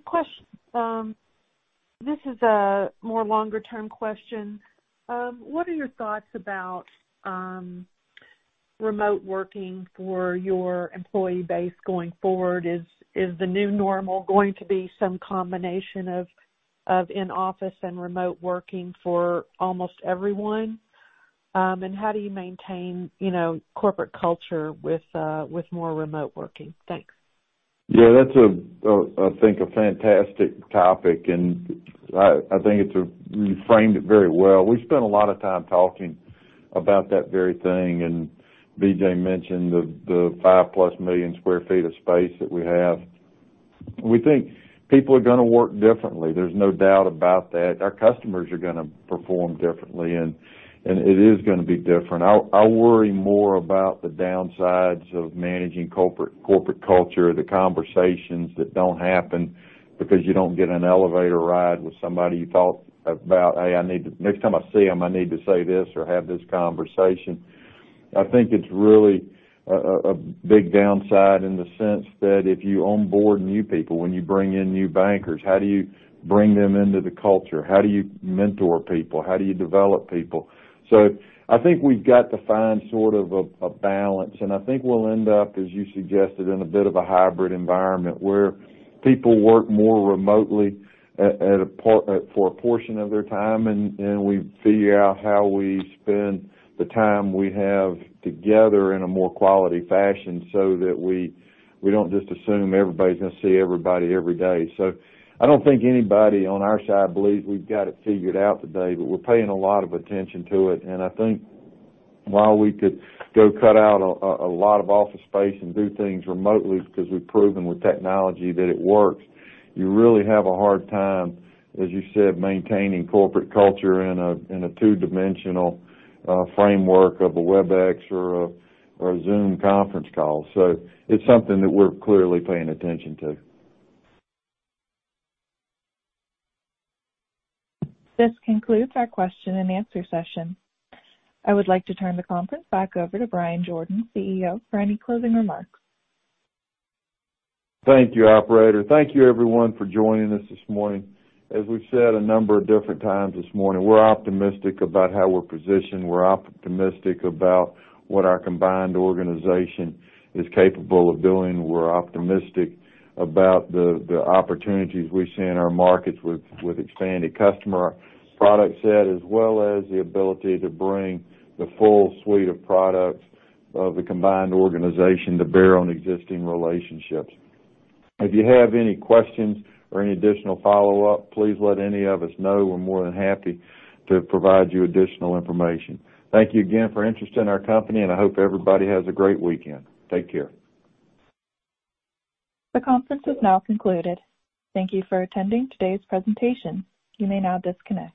this is a more longer-term question. What are your thoughts about remote working for your employee base going forward? Is the new normal going to be some combination of in-office and remote working for almost everyone? How do you maintain corporate culture with more remote working? Thanks. Yeah, that's, I think, a fantastic topic, and I think you framed it very well we spent a lot of time talking about that very thing, and BJ mentioned the +5 million square feet of space that we have. We think people are going to work differently there's no doubt about that, our customers are going to perform differently, and it is going to be different. I worry more about the downsides of managing corporate culture, the conversations that don't happen because you don't get an elevator ride with somebody you thought about, "Hey, next time I see him, I need to say this or have this conversation." I think it's really a big downside in the sense that if you onboard new people, when you bring in new bankers? how do you bring them into the culture? how do you mentor people? how do you develop people? I think we've got to find sort of a balance, and I think we'll end up, as you suggested, in a bit of a hybrid environment where people work more remotely for a portion of their time, and we figure out how we spend the time we have together in a more quality fashion so that we don't just assume everybody's going to see everybody every day. I don't think anybody on our side believes we've got it figured out today, but we're paying a lot of attention to it and i think while we could go cut out a lot of office space and do things remotely because we've proven with technology that it works, you really have a hard time, as you said, maintaining corporate culture in a two-dimensional framework of a Webex or a Zoom conference call. It's something that we're clearly paying attention to. This concludes our question and answer session. I would like to turn the conference back over to Bryan Jordan, CEO, for any closing remarks. Thank you, operator thank you, everyone, for joining us this morning. As we've said a number of different times this morning, we're optimistic about how we're positioned we're optimistic about what our combined organization is capable of doing we're optimistic- -about the opportunities we see in our markets with expanded customer product set, as well as the ability to bring the full suite of products of the combined organization to bear on existing relationships. If you have any questions or any additional follow-up, please let any of us know we're more than happy to provide you additional information. Thank you again for interest in our company, and I hope everybody has a great weekend. Take care. The conference is now concluded. Thank you for attending today's presentation. You may now disconnect.